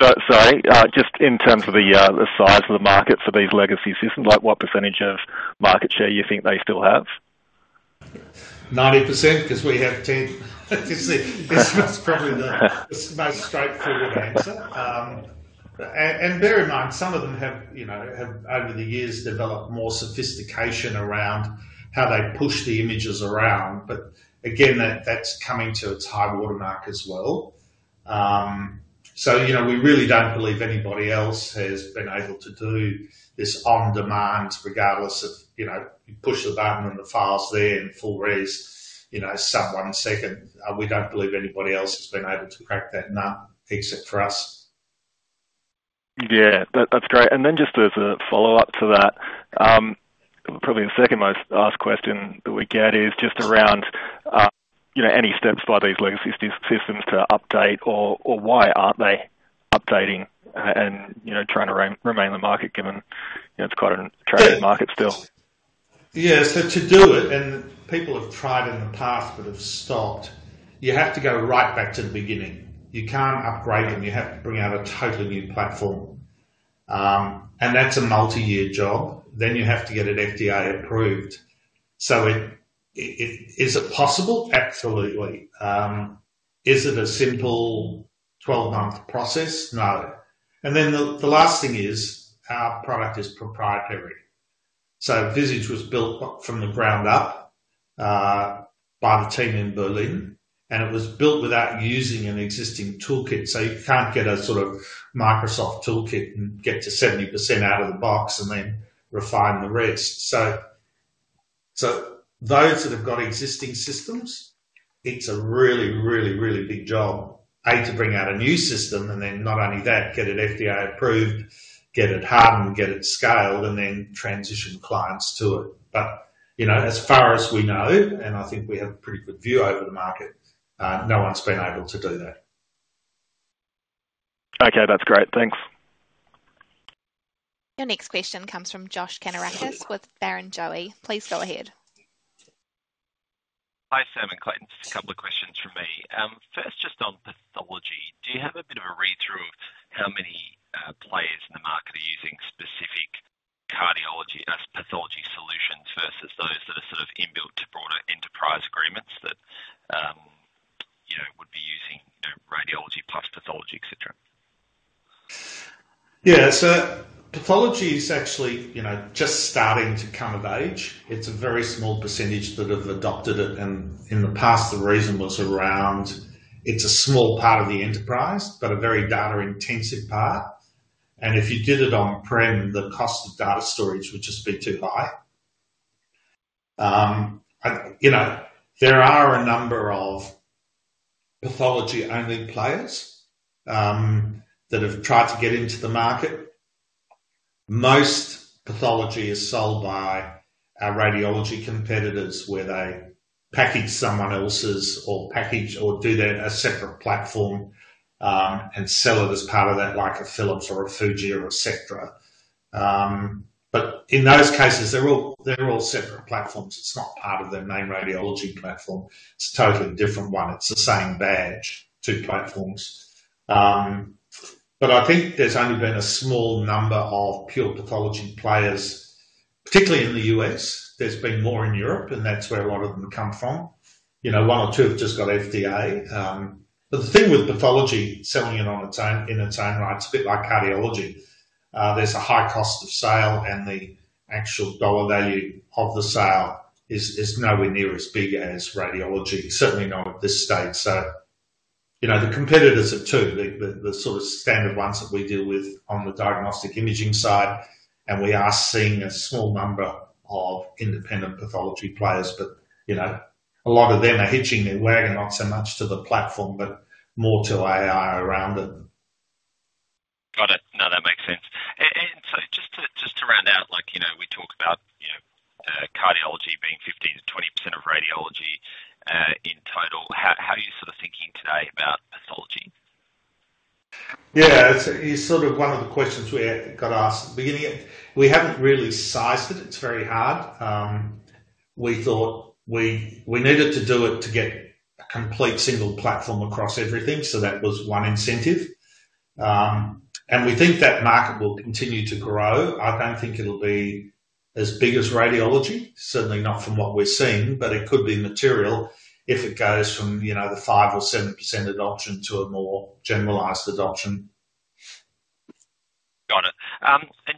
Sorry, just in terms of the size of the market for these legacy systems, what percentage of market share you think they still have? 90% because we have 10%. It's probably the most straightforward answer. Bear in mind, some of them have, you know, over the years developed more sophistication around how they push the images around. That is coming to a tight watermark as well. We really don't believe anybody else has been able to do this on demand, regardless of, you know, you push the button and the file's there in full res in one second. We don't believe anybody else has been able to crack that nut except for us. That's great. Just as a follow-up to that, probably the second most asked question that we get is just around any steps by these legacy systems to update or why aren't they updating and trying to remain in the market given it's quite an attractive market still. Yeah, to do it, and people have tried in the past but have stopped, you have to go right back to the beginning. You can't upgrade them. You have to bring out a totally new platform, and that's a multi-year job. You have to get it FDA approved. Is it possible? Absolutely. Is it a simple 12-month process? No. The last thing is our product is proprietary. Visage 7 was built from the ground up by the team in Berlin, and it was built without using an existing toolkit. You can't get a sort of Microsoft toolkit and get to 70% out of the box and then refine the rest. Those that have got existing systems, it's a really, really, really big job to bring out a new system, and then not only that, get it FDA approved, get it hardened, get it scaled, and then transition clients to it. As far as we know, and I think we have a pretty good view over the market, no one's been able to do that. Okay, that's great. Thanks. Your next question comes from Josh Kannourakis with Barrenjoey. Please go ahead. Hi, Sam and Clayton. Just a couple of questions from me. First, just on pathology, do you have a bit of a read-through of how many players in the market are using specific pathology solutions versus those that are sort of inbuilt to broader enterprise agreements that, you know, would be using radiology plus pathology, et cetera? Yeah, so pathology is actually, you know, just starting to come of age. It's a very small percentage that have adopted it. In the past, the reason was around it's a small part of the enterprise, but a very data-intensive part. If you did it on-prem, the cost of data storage was just a bit too high. There are a number of pathology-only players that have tried to get into the market. Most pathology is sold by our radiology competitors where they package someone else's or package or do that as a separate platform and sell it as part of that, like a Philips or a Fuji or et cetera. In those cases, they're all separate platforms. It's not part of the main radiology platform. It's a totally different one. It's the same badge, two platforms. I think there's only been a small number of pure pathology players, particularly in the U.S. There's been more in Europe, and that's where a lot of them come from. One or two have just got FDA. The thing with pathology, selling it on its own, in its own rights, a bit like cardiology, there's a high cost of sale, and the actual dollar value of the sale is nowhere near as big as radiology, certainly not at this stage. The competitors are two, the sort of standard ones that we deal with on the diagnostic imaging side. We are seeing a small number of independent pathology players, but a lot of them are hitching their wagon, not so much to the platform, but more to AI around it. Got it. No, that makes sense. Just to round out, like, you know, we talk about, you know, cardiology being 15%-20% of radiology in total. How are you sort of thinking today about pathology? Yeah, it's sort of one of the questions we got asked at the beginning. We haven't really sized it. It's very hard. We thought we needed to do it to get a complete single platform across everything. That was one incentive. We think that market will continue to grow. I don't think it'll be as big as radiology, certainly not from what we're seeing, but it could be material if it goes from, you know, the 5% or 7% adoption to a more generalized adoption. Got it.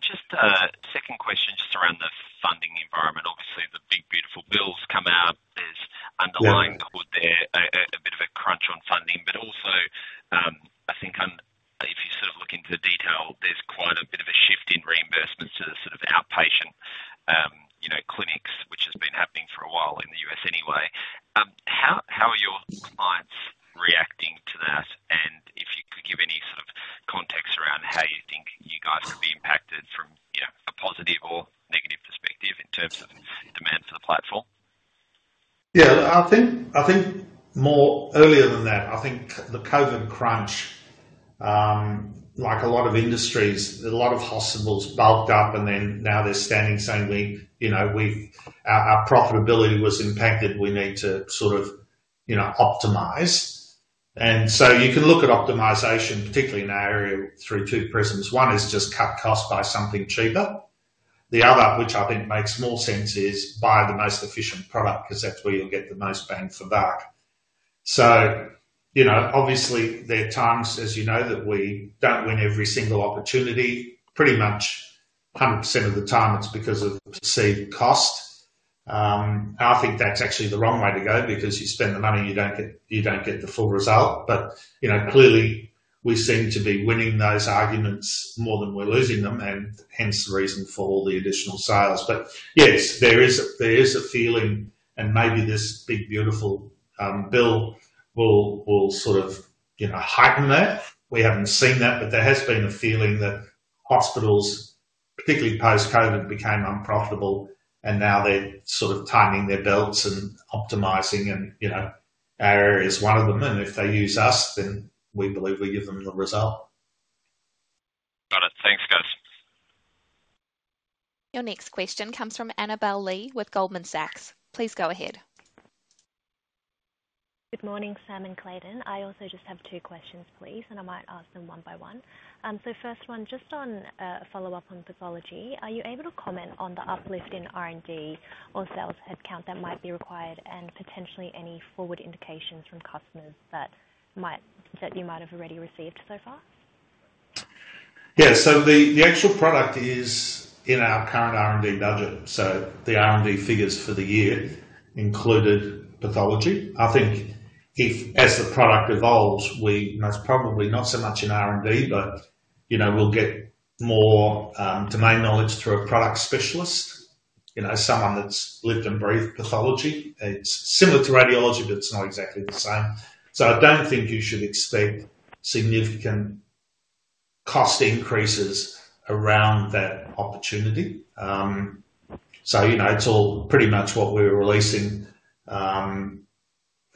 Just a second question, just around the funding environment. Obviously, the big beautiful bills come out. There's underlying code there, a bit of a crunch on funding. I think if you sort of look into the detail, there's quite a bit of a shift in reimbursements to the sort of outpatient clinics, which has been happening for a while in the U.S. anyway. How are your clients reacting to that? If you could give any sort of context around how you think you guys could be impacted from a positive or negative perspective in terms of demand for the platform? Yeah, I think more earlier than that, I think the COVID crunch, like a lot of industries, a lot of hospitals bulked up and now they're standing saying, "We, you know, our profitability was impacted. We need to sort of, you know, optimize." You can look at optimization, particularly in our area, through two prisms. One is just cut costs by something cheaper. The other, which I think makes more sense, is buy the most efficient product because that's where you'll get the most bang for buck. Obviously, there are times, as you know, that we don't win every single opportunity. Pretty much 100% of the time, it's because of perceived cost. I think that's actually the wrong way to go because you spend the money, you don't get the full result. Clearly, we seem to be winning those arguments more than we're losing them, and hence the reason for all the additional sales. Yes, there is a feeling, and maybe this big beautiful bill will sort of heighten that. We haven't seen that, but there has been a feeling that hospitals, particularly post-COVID, became unprofitable, and now they're sort of tightening their belts and optimizing, and our area is one of them. If they use us, then we believe we give them the result. Got it. Thanks, guys. Your next question comes from Annabel Li with Goldman Sachs. Please go ahead. Good morning, Sam and Clayton. I also just have two questions, please, and I might ask them one by one. First, just on a follow-up on pathology, are you able to comment on the uplift in R&D or sales headcount that might be required and potentially any forward indications from customers that you might have already received so far? Yeah, so the actual product is in our current R&D budget. The R&D figures for the year included pathology. I think if, as the product evolves, we most probably not so much in R&D, but you know, we'll get more domain knowledge through a product specialist, you know, someone that's lived and breathed pathology. It's similar to radiology, but it's not exactly the same. I don't think you should expect significant cost increases around that opportunity. It's all pretty much what we're releasing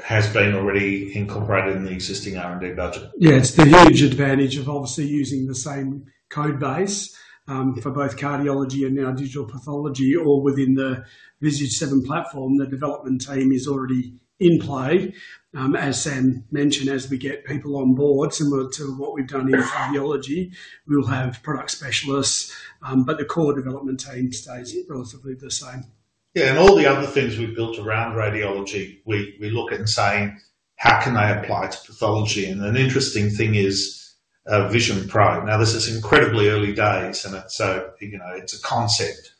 has been already incorporated in the existing R&D budget. Yeah. It's the huge advantage of obviously using the same code base for both cardiology and now digital pathology, or within the Visage 7 platform, the development team is already in play. As Sam mentioned, as we get people on board, similar to what we've done in radiology, we'll have product specialists, but the core development team stays relatively the same. Yeah, and all the other things we've built around radiology, we look at saying, how can they apply to pathology? An interesting thing is Vision Pro. This is incredibly early days, and it's a concept.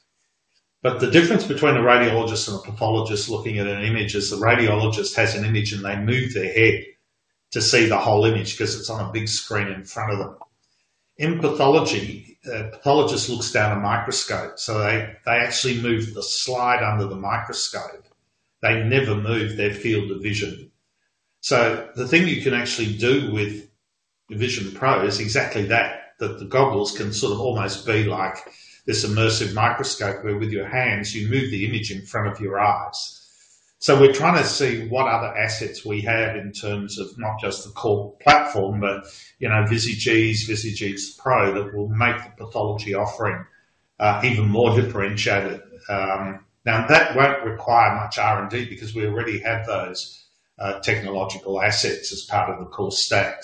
The difference between a radiologist and a pathologist looking at an image is the radiologist has an image and they move their head to see the whole image because it's on a big screen in front of them. In pathology, a pathologist looks down a microscope. They actually move the slide under the microscope. They never move their field of vision. The thing you can actually do with the Vision Pro is exactly that, that the goggles can sort of almost be like this immersive microscope where with your hands you move the image in front of your eyes. We're trying to see what other assets we have in terms of not just the core platform, but, you know, Visage 7, Visage Ease Pro that will make the pathology offering even more differentiated. That won't require much R&D because we already have those technological assets as part of the core stack.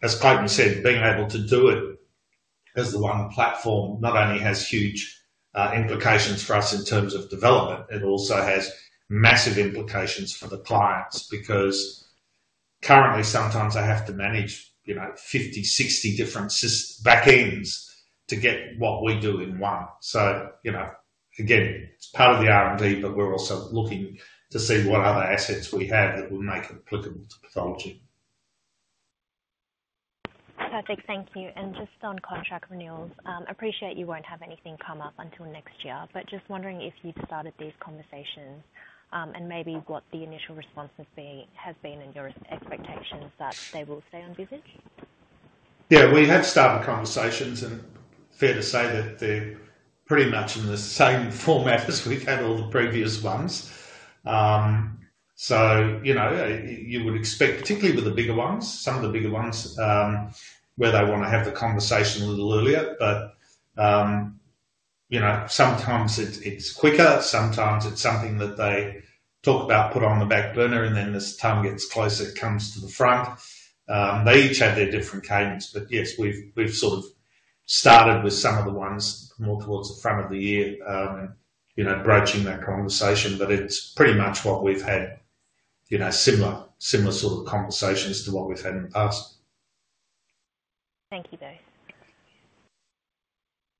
As Clayton Hatch said, being able to do it as the one platform not only has huge implications for us in terms of development, it also has massive implications for the clients because currently sometimes they have to manage, you know, 50, 60 different backends to get what we do in one. Again, it's part of the R&D, but we're also looking to see what other assets we have that will make it applicable to pathology. Perfect. Thank you. Just on contract renewals, I appreciate you won't have anything come up until next year. I am just wondering if you'd started these conversations and maybe what the initial response has been and your expectations that they will stay on Visage 7? Yeah, we have started conversations, and it's fair to say that they're pretty much in the same format as we've had all the previous ones. You would expect, particularly with the bigger ones, some of the bigger ones, where they want to have the conversation a little earlier. Sometimes it's quicker. Sometimes it's something that they talk about, put on the back burner, and then as time gets closer, it comes to the front. They each have their different cadence. Yes, we've sort of started with some of the ones more towards the front of the year and broaching that conversation. It's pretty much what we've had, similar sort of conversations to what we've had in the past. Thank you both.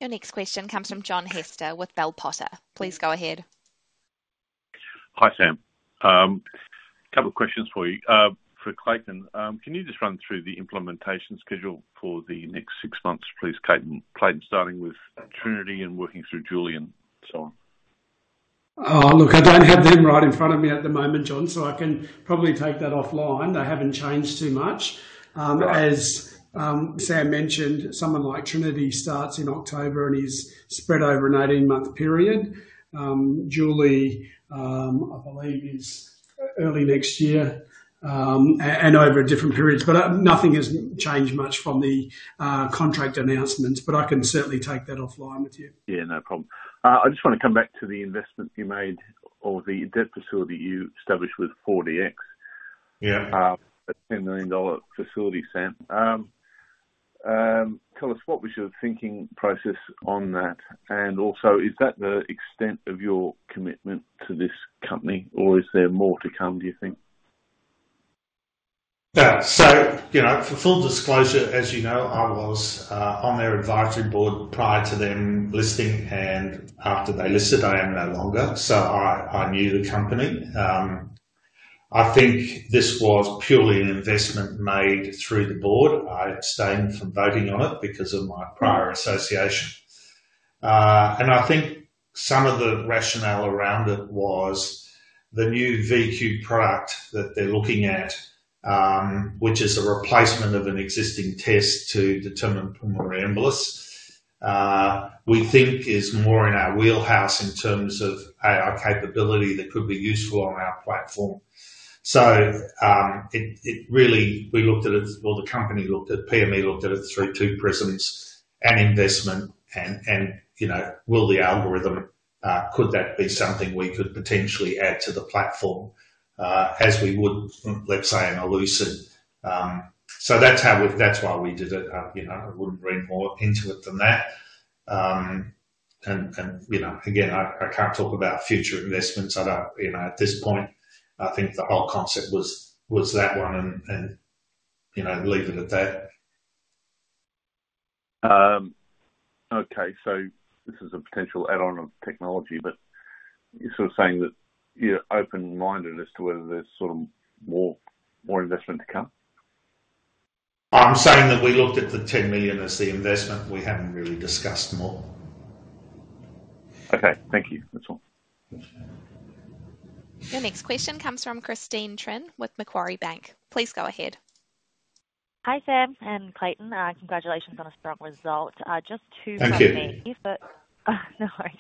Your next question comes from John Hester with Bell Potter. Please go ahead. Hi, Sam. A couple of questions for you. For Clayton, can you just run through the implementation schedule for the next six months, please, Clayton, starting with Trinity and working through Julie and so on? Oh, look, I don't have them right in front of me at the moment, John, so I can probably take that offline. They haven't changed too much. As Sam mentioned, someone like Trinity starts in October and is spread over an 18-month period. Julie, I believe, is early next year and over a different period. Nothing has changed much from the contract announcements, but I can certainly take that offline with you. Yeah, no problem. I just want to come back to the investment you made or the development facility you established with 4DMedical. Yeah. A $10 million facility, Sam. Tell us, what was your thinking process on that? Also, is that the extent of your commitment to this company, or is there more to come, do you think? For full disclosure, as you know, I was on their advisory board prior to them listing, and after they listed, I am no longer. I knew the company. I think this was purely an investment made through the board. I abstained from voting on it because of my prior association. I think some of the rationale around it was the new VQ product that they're looking at, which is a replacement of an existing test to determine pulmonary embolus. We think it is more in our wheelhouse in terms of AI capability that could be useful on our platform. We looked at it, the company looked at PME, looked at it through two, presence and investment. Will the algorithm, could that be something we could potentially add to the platform as we would, let's say, in Elucid? That's why we did it. I wouldn't read more into it than that. I can't talk about future investments. I don't, at this point, I think the whole concept was that one and leaving it there. Okay, this is a potential add-on of technology, but you're sort of saying that you're open-minded as to whether there's more investment to come? I'm saying that we looked at the $10 million as the investment. We haven't really discussed more. Okay, thank you. Your next question comes from Christine Trinh with Macquarie Bank. Please go ahead. Hi, Sam and Clayton. Congratulations on a strong result. Just two for me. Thank you. No worries.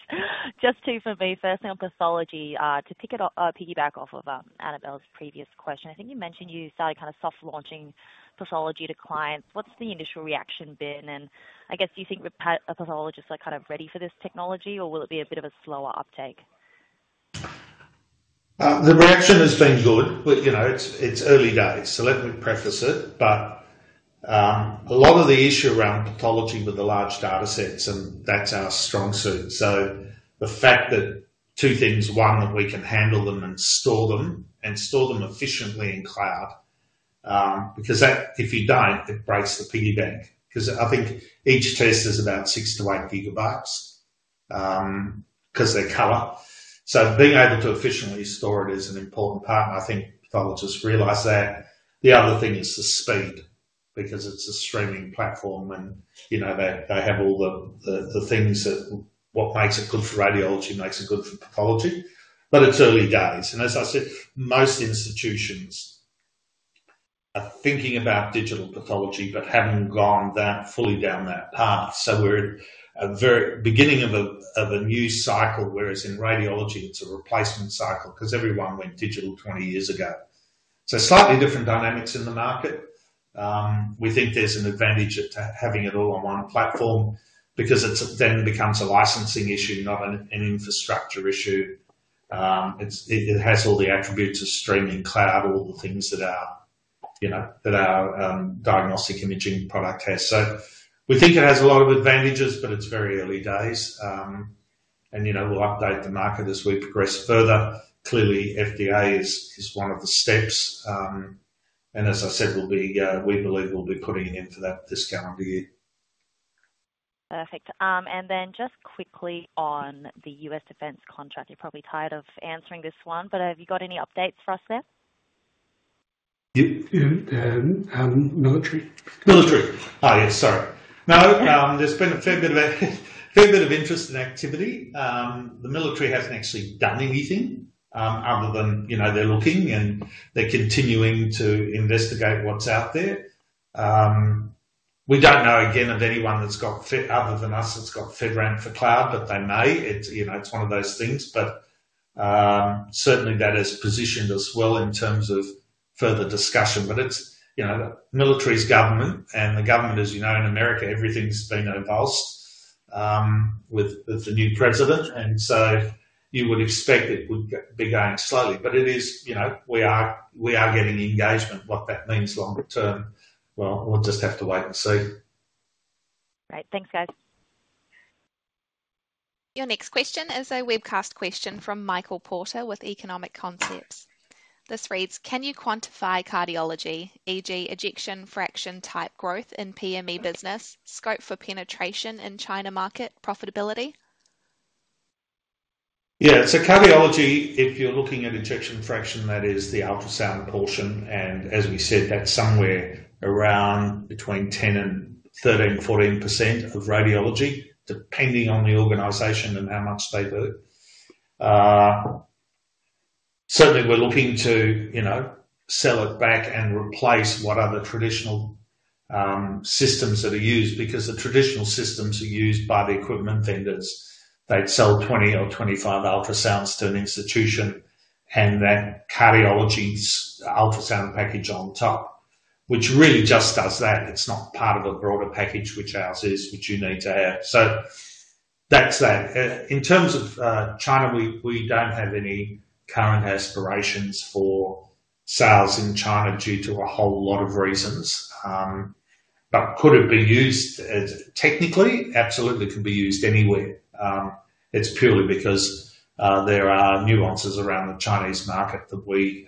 Just to, for me, personal pathology, to piggyback off of Annabel's previous question, I think you mentioned you started kind of soft launching pathology to clients. What's the initial reaction been? Do you think pathologists are kind of ready for this technology, or will it be a bit of a slower uptake? The reaction has been good, but you know, it's early days. Let me preface it. A lot of the issue around pathology is with the large datasets, and that's our strong suit. The fact that two things, one, that we can handle them and store them and store them efficiently in cloud, because if you don't, it breaks the piggy bank. I think each test is about 6-8 GB because they're color. Being able to efficiently store it is an important part, and I think pathologists realize that. The other thing is the speed because it's a streaming platform, and they have all the things that what makes it good for radiology makes it good for pathology. It's early days. As I said, most institutions are thinking about digital pathology but haven't gone fully down that path. We're at the very beginning of a new cycle, whereas in radiology, it's a replacement cycle because everyone went digital 20 years ago. Slightly different dynamics in the market. We think there's an advantage to having it all on one platform because it then becomes a licensing issue, not an infrastructure issue. It has all the attributes of streaming cloud, all the things that are, you know, that our diagnostic imaging product has. We think it has a lot of advantages, but it's very early days. We'll update the market as we progress further. Clearly, FDA is one of the steps. As I said, we believe we'll be putting it in for that this calendar year. Perfect. Just quickly on the U.S. defense contract, you're probably tired of answering this one, but have you got any updates for us there? Military? Oh, yeah, sorry. No, there's been a fair bit of interest and activity. The military hasn't actually done anything other than, you know, they're looking and they're continuing to investigate what's out there. We don't know, again, of anyone that's got, other than us, that's got FedRAMP for cloud, but they may. It's one of those things. Certainly, that has positioned us well in terms of further discussion. The military is government and the government, as you know, in America, everything's been avulsed with the new president. You would expect it would be going slowly. It is, you know, we are getting engagement. What that means long term, we'll just have to wait and see. Right. Thanks, guys. Your next question is a webcast question from Michael Porter with Economic Concepts. This reads, can you quantify cardiology, e.g., ejection fraction type growth in Pro Medicus business, scope for penetration in China market profitability? Yeah, so cardiology, if you're looking at ejection fraction, that is the ultrasound portion. As we said, that's somewhere around between 10% and 13%, 14% of radiology, depending on the organization and how much they do. Certainly, we're looking to sell it back and replace what are the traditional systems that are used because the traditional systems are used by the equipment vendors. They'd sell 20 or 25 ultrasounds to an institution and that cardiology's ultrasound package on top, which really just does that. It's not part of a broader package, which ours is, which you need to have. In terms of China, we don't have any current aspirations for sales in China due to a whole lot of reasons. Could it be used as technically? Absolutely, it could be used anywhere. It's purely because there are nuances around the Chinese market that we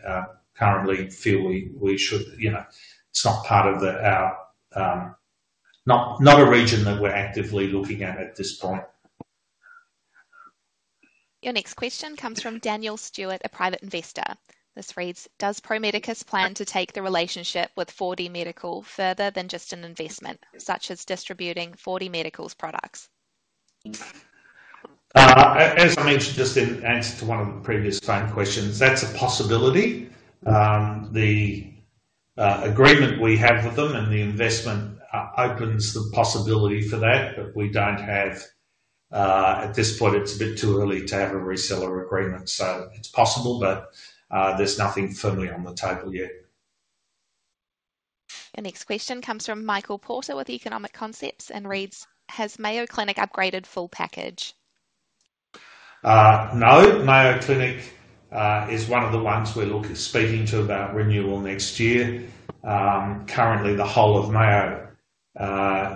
currently feel we should, you know, it's not part of our, not a region that we're actively looking at at this point. Your next question comes from Daniel Stewart, a private investor. This reads, does Pro Medicus plan to take the relationship with 4DMedical further than just an investment, such as distributing 4DMedical's products? As I mentioned, just in answer to one of the previous client questions, that's a possibility. The agreement we have with them and the investment opens the possibility for that, but we don't have that at this point. It's a bit too early to have a reseller agreement. It's possible, but there's nothing firmly on the table yet. Your next question comes from Michael Porter with Economic Concepts and reads, has Mayo Clinic upgraded full package? No, Mayo Clinic is one of the ones we're speaking to about renewal next year. Currently, the whole of Mayo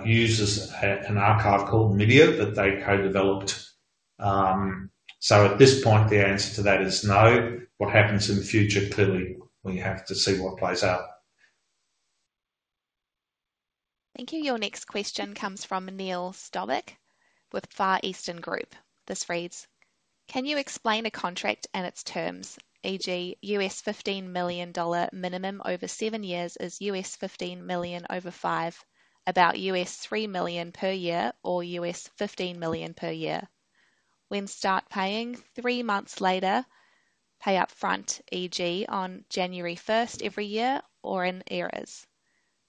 uses an archive called MIDIA that they co-developed. At this point, the answer to that is no. What happens in the future, clearly we have to see what plays out. Thank you. Your next question comes from Neil Stovick with Far Eastern Group. This reads, can you explain a contract and its terms, e.g., $15 million minimum over seven years, is $15 million over five, about $3 million per year or $15 million per year? When start paying, three months later, pay upfront, e.g., on January 1st every year or in arrears?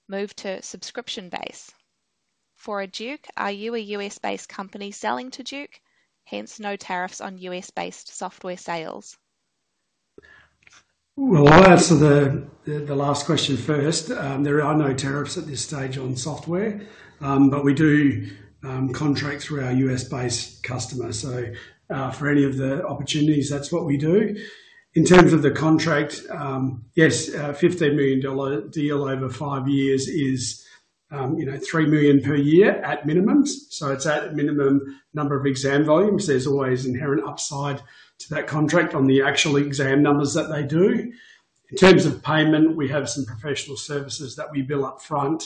Move to subscription base. For a Duke, are you a U.S.-based company selling to Duke? Hence, no tariffs on U.S.-based software sales. I'll answer the last question first. There are no tariffs at this stage on software, but we do contracts for our U.S.-based customers. For any of the opportunities, that's what we do. In terms of the contract, yes, a $15 million deal over five years is, you know, $3 million per year at minimum. It's at a minimum number of exam volumes. There's always inherent upside to that contract on the actual exam numbers that they do. In terms of payment, we have some professional services that we bill upfront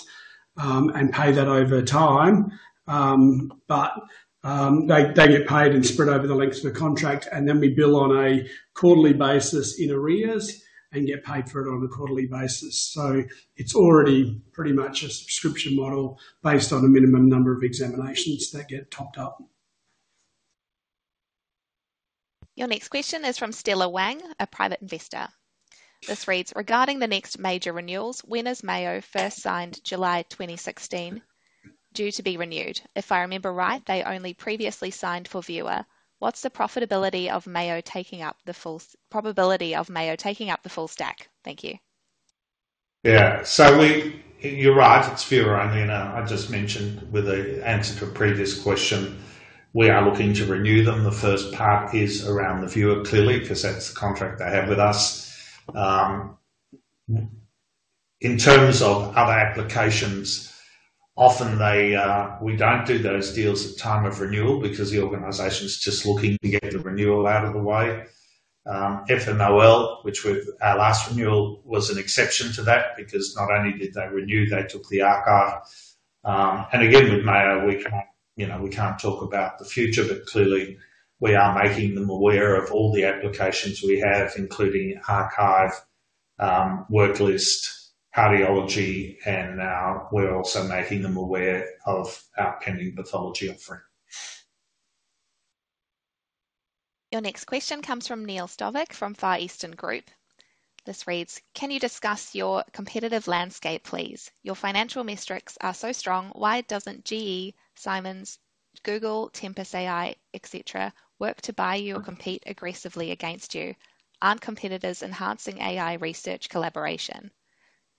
and pay that over time. They get paid and spread over the length of the contract. We bill on a quarterly basis in arrears and get paid for it on a quarterly basis. It's already pretty much a subscription model based on a minimum number of examinations that get topped up. Your next question is from Stella Wang, a private investor. This reads, regarding the next major renewals, when is Mayo first signed July 2016 due to be renewed? If I remember right, they only previously signed for Viewer. What's the profitability of Mayo taking up the full stack? Thank you. Yeah, so you're right, it's Viewer only. As I just mentioned with the answer to a previous question, we are looking to renew them. The first part is around the Viewer, clearly because that's the contract they have with us. In terms of other applications, often we don't do those deals at time of renewal because the organization is just looking to get a renewal out of the way. FMOL, which was our last renewal, was an exception to that because not only did they renew, they took the archive. We can't talk about the future, but clearly we are making them aware of all the applications we have, including archive, worklist, cardiology, and now we're also making them aware of our cardiopathology offering. Your next question comes from Neil Stovick from Far Eastern Group. This reads, can you discuss your competitive landscape, please? Your financial metrics are so strong, why doesn't GE, Siemens, Google, Tempus AI, etc. work to buy you or compete aggressively against you? Aren't competitors enhancing AI research collaboration?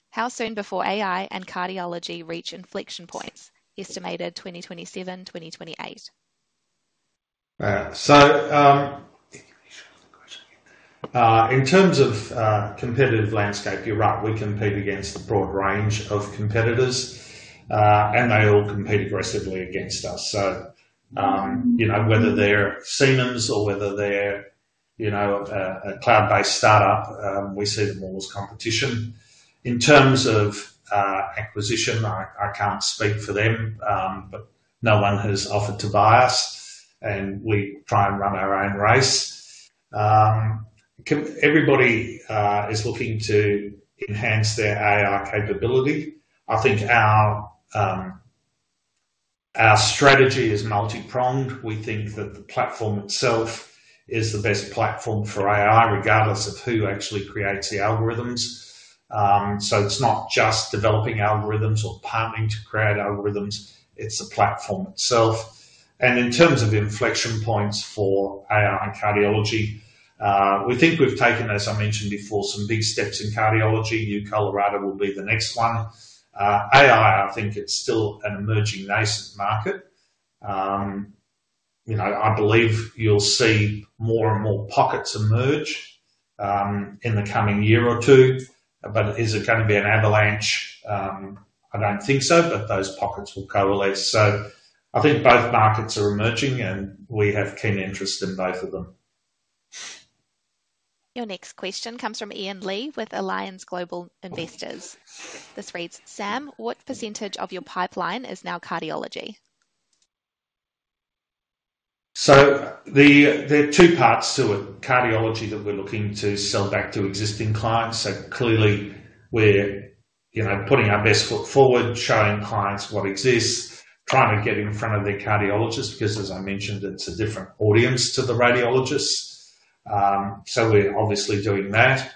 How soon before AI and cardiology reach inflection points? Estimated 2027, 2028. In terms of competitive landscape, you're right. We compete against a broad range of competitors, and they all compete aggressively against us. Whether they're Siemens or whether they're a cloud-based startup, we see them all as competition. In terms of acquisition, I can't speak for them, but no one has offered to buy us, and we try and run our own race. Everybody is looking to enhance their AI capability. I think our strategy is multipronged. We think that the platform itself is the best platform for AI, regardless of who actually creates the algorithms. It's not just developing algorithms or partnering to create algorithms. It's the platform itself. In terms of inflection points for AI cardiology, we think we've taken, as I mentioned before, some big steps in cardiology. UCHealth will be the next one. AI, I think, is still an emerging market. I believe you'll see more and more pockets emerge in the coming year or two. Is it going to be an avalanche? I don't think so, but those pockets will coalesce. I think both markets are emerging, and we have keen interest in both of them. Your next question comes from Ian Lee with Alliance Global Investors. This reads, Sam, what % of your pipeline is now cardiology? There are two parts to it. Cardiology that we're looking to sell back to existing clients. Clearly, we're putting our best foot forward, showing clients what exists, trying to get in front of their cardiologists because, as I mentioned, it's a different audience to the radiologists. We're obviously doing that.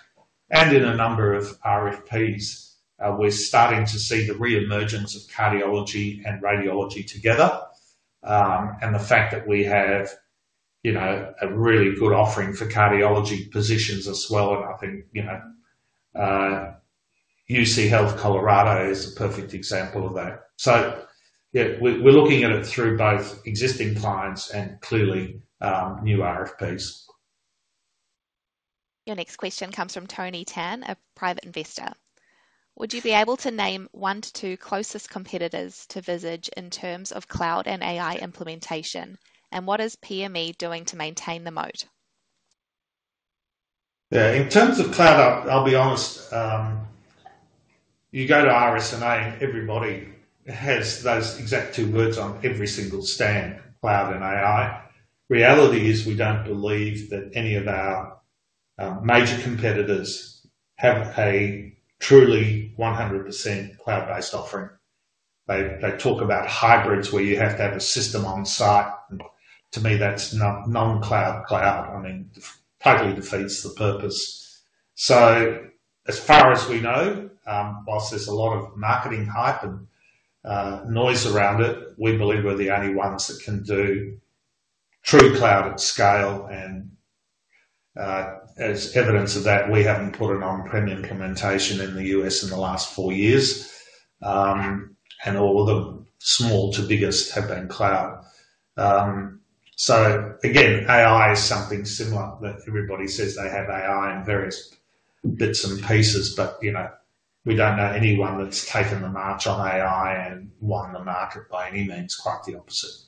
In a number of RFPs, we're starting to see the re-emergence of cardiology and radiology together, and the fact that we have a really good offering for cardiology positions as well. I think UCHealth Colorado is the perfect example of that. We're looking at it through both existing clients and, clearly, new RFPs. Your next question comes from Tony Tan, a private investor. Would you be able to name one to two closest competitors to Visage in terms of cloud and AI implementation? What is Pro Medicus Limited doing to maintain the moat? Yeah, in terms of cloud, I'll be honest, you go to RSNA and everybody has those exact two words on every single stand: cloud and AI. Reality is we don't believe that any of our major competitors have a truly 100% cloud-based offering. They talk about hybrids where you have to have a system on site. To me, that's not non-cloud cloud. It totally defeats the purpose. As far as we know, whilst there's a lot of marketing hype and noise around it, we believe we're the only ones that can do true cloud at scale. As evidence of that, we haven't put an on-prem implementation in the U.S. in the last four years, and all the small to biggest have been cloud. AI is something similar that everybody says they have AI in various bits and pieces, but we don't know anyone that's taken the march on AI and won the market by any means. Quite the opposite.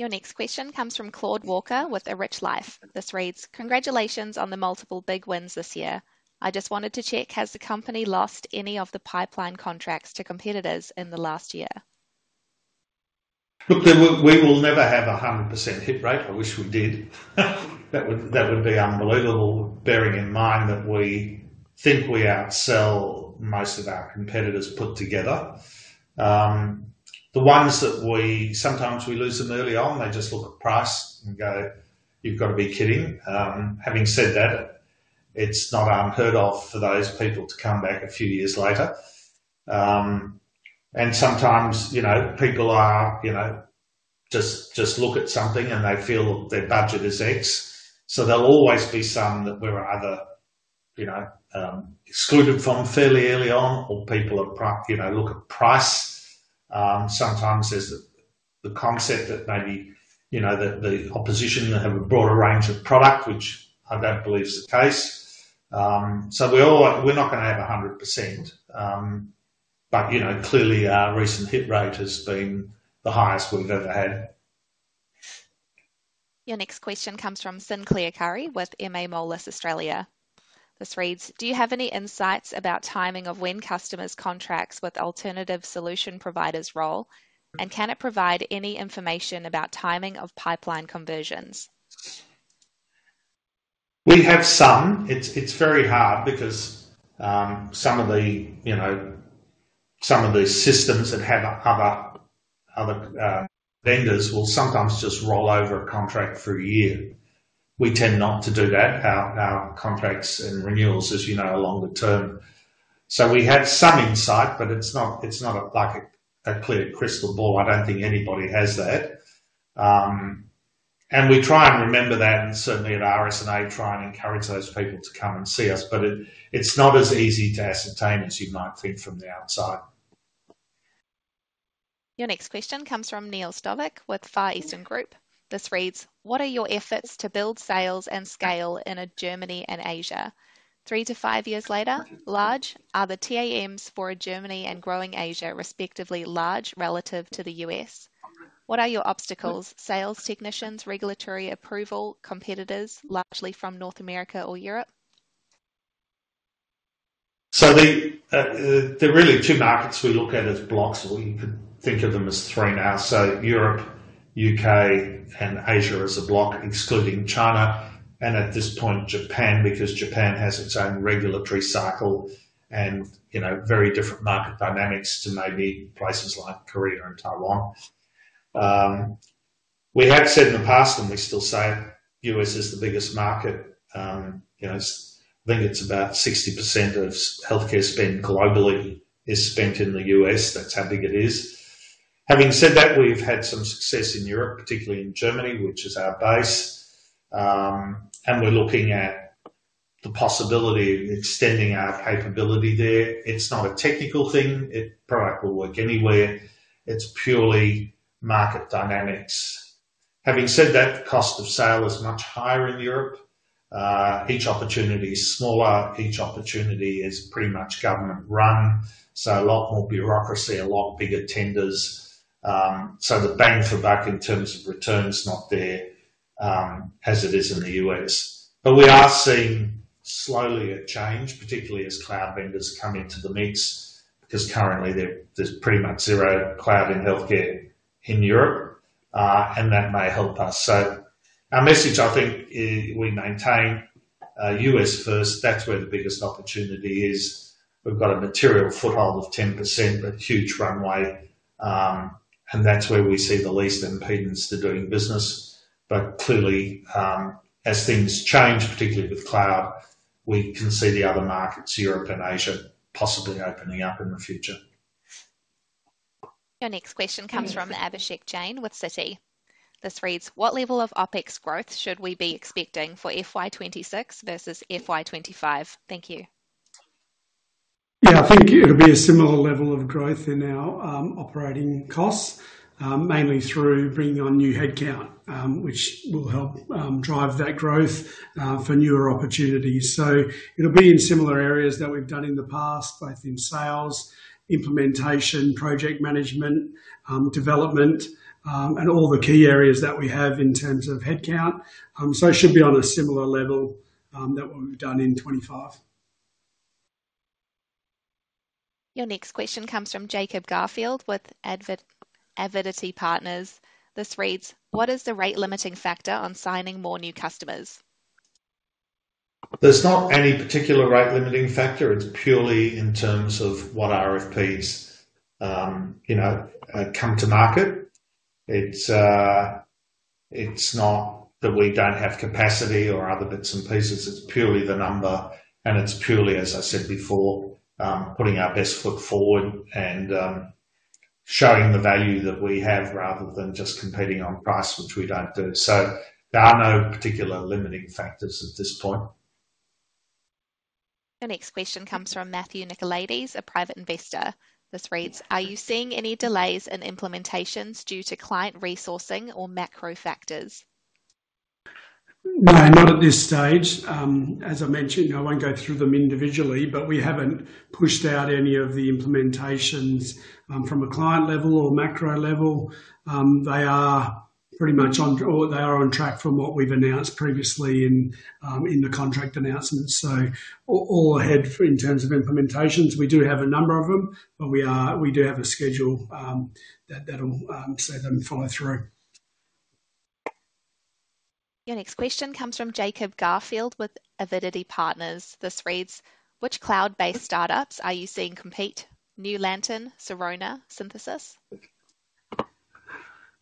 Your next question comes from Claude Walker with A Rich Life. This reads, congratulations on the multiple big wins this year. I just wanted to check, has the company lost any of the pipeline contracts to competitors in the last year? We will never have a 100% hit rate. I wish we did. That would be unbelievable, bearing in mind that we think we outsell most of our competitors put together. The ones that we sometimes lose early on, they just look at price and go, you've got to be kidding. Having said that, it's not unheard of for those people to come back a few years later. Sometimes people just look at something and they feel that their budget is X. There will always be some that were either excluded from fairly early on or people have looked at price. Sometimes there's the concept that maybe the opposition have a broader range of product, which I don't believe is the case. We're not going to have 100%, but clearly our recent hit rate has been the highest we've ever had. Your next question comes from Sinclair Curry with MA Mollis Australia. This reads, do you have any insights about timing of when customers' contracts with alternative solution providers roll? Can it provide any information about timing of pipeline conversions? We have some. It's very hard because some of the systems that have other vendors will sometimes just roll over a contract for a year. We tend not to do that. Our contracts and renewals, as you know, are longer term. So we have some insight, but it's not like a clear crystal ball. I don't think anybody has that. We try and remember that and certainly at RSNA try and encourage those people to come and see us, but it's not as easy to ascertain as you might think from the outside. Your next question comes from Neil Stovick with Far Eastern Group. This reads, what are your efforts to build sales and scale in Germany and Asia? Three to five years later, large are the TAMs for Germany and growing Asia, respectively large relative to the U.S. What are your obstacles? Sales technicians, regulatory approval, competitors largely from North America or Europe? There are really two markets we look at as blocks, or you could think of them as three now. Europe, UK, and Asia as a block, excluding China, and at this point, Japan, because Japan has its own regulatory cycle and very different market dynamics to maybe places like Korea and Taiwan. We have said in the past, and we still say, the U.S. is the biggest market. I think it's about 60% of healthcare spend globally is spent in the U.S. That's how big it is. Having said that, we've had some success in Europe, particularly in Germany, which is our base, and we're looking at the possibility of extending our capability there. It's not a technical thing. It probably will work anywhere. It's purely market dynamics. Having said that, the cost of sale is much higher in Europe. Each opportunity is smaller. Each opportunity is pretty much government-run, so a lot more bureaucracy, a lot bigger tenders. The bang for buck in terms of returns is not there, as it is in the U.S. We are seeing slowly a change, particularly as cloud vendors come into the mix, because currently there's pretty much zero cloud in healthcare in Europe, and that may help us. Our message, I think, is we maintain a U.S.-first. That's where the biggest opportunity is. We've got a material foothold of 10%, but huge runway, and that's where we see the least impedance to doing business. Clearly, as things change, particularly with cloud, we can see the other markets, Europe and Asia, possibly opening up in the future. Your next question comes from Abhishek Jain with Citi. This reads, what level of OpEx growth should we be expecting for FY26 versus FY25? Thank you. Yeah, I think it'll be a similar level of growth in our operating costs, mainly through bringing on new headcount, which will help drive that growth for newer opportunities. It'll be in similar areas that we've done in the past, both in sales, implementation, project management, development, and all the key areas that we have in terms of headcount. It should be on a similar level to what we've done in 2025. Your next question comes from Jacob Garfield with Avidity Partners. This reads, what is the rate limiting factor on signing more new customers? There's not any particular rate limiting factor. It's purely in terms of what RFPs, you know, come to market. It's not that we don't have capacity or other bits and pieces. It's purely the number, and it's purely, as I said before, putting our best foot forward and showing the value that we have rather than just competing on price, which we don't do. There are no particular limiting factors at this point. The next question comes from Matthew Nicolades, a private investor. This reads, are you seeing any delays in implementations due to client resourcing or macro factors? No, not at this stage. As I mentioned, I won't go through them individually, but we haven't pushed out any of the implementations from a client level or macro level. They are pretty much on, or they are on track from what we've announced previously in the contract announcements. All ahead in terms of implementations. We do have a number of them, but we do have a schedule that'll see them follow through. Your next question comes from Jacob Garfield with Avidity Partners. This reads, which cloud-based startups are you seeing compete: New Lantern, Sirona, Synthesis?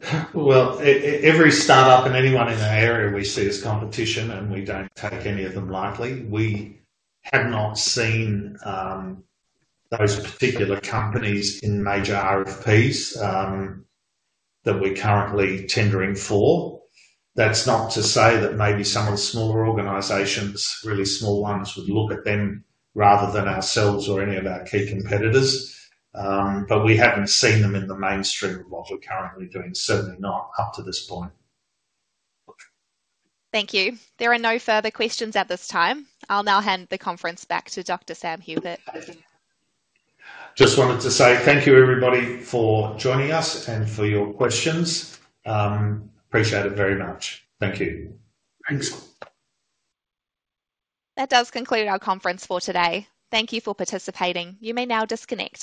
Every startup and anyone in our area we see as competition, and we don't take any of them lightly. We have not seen those particular companies in major RFPs that we're currently tendering for. That's not to say that maybe some of the smaller organizations, really small ones, would look at them rather than ourselves or any of our key competitors. We haven't seen them in the mainstream of what we're currently doing, certainly not up to this point. Thank you. There are no further questions at this time. I'll now hand the conference back to Dr. Sam Hupert. Just wanted to say thank you, everybody, for joining us and for your questions. Appreciate it very much. Thank you. That does conclude our conference for today. Thank you for participating. You may now disconnect.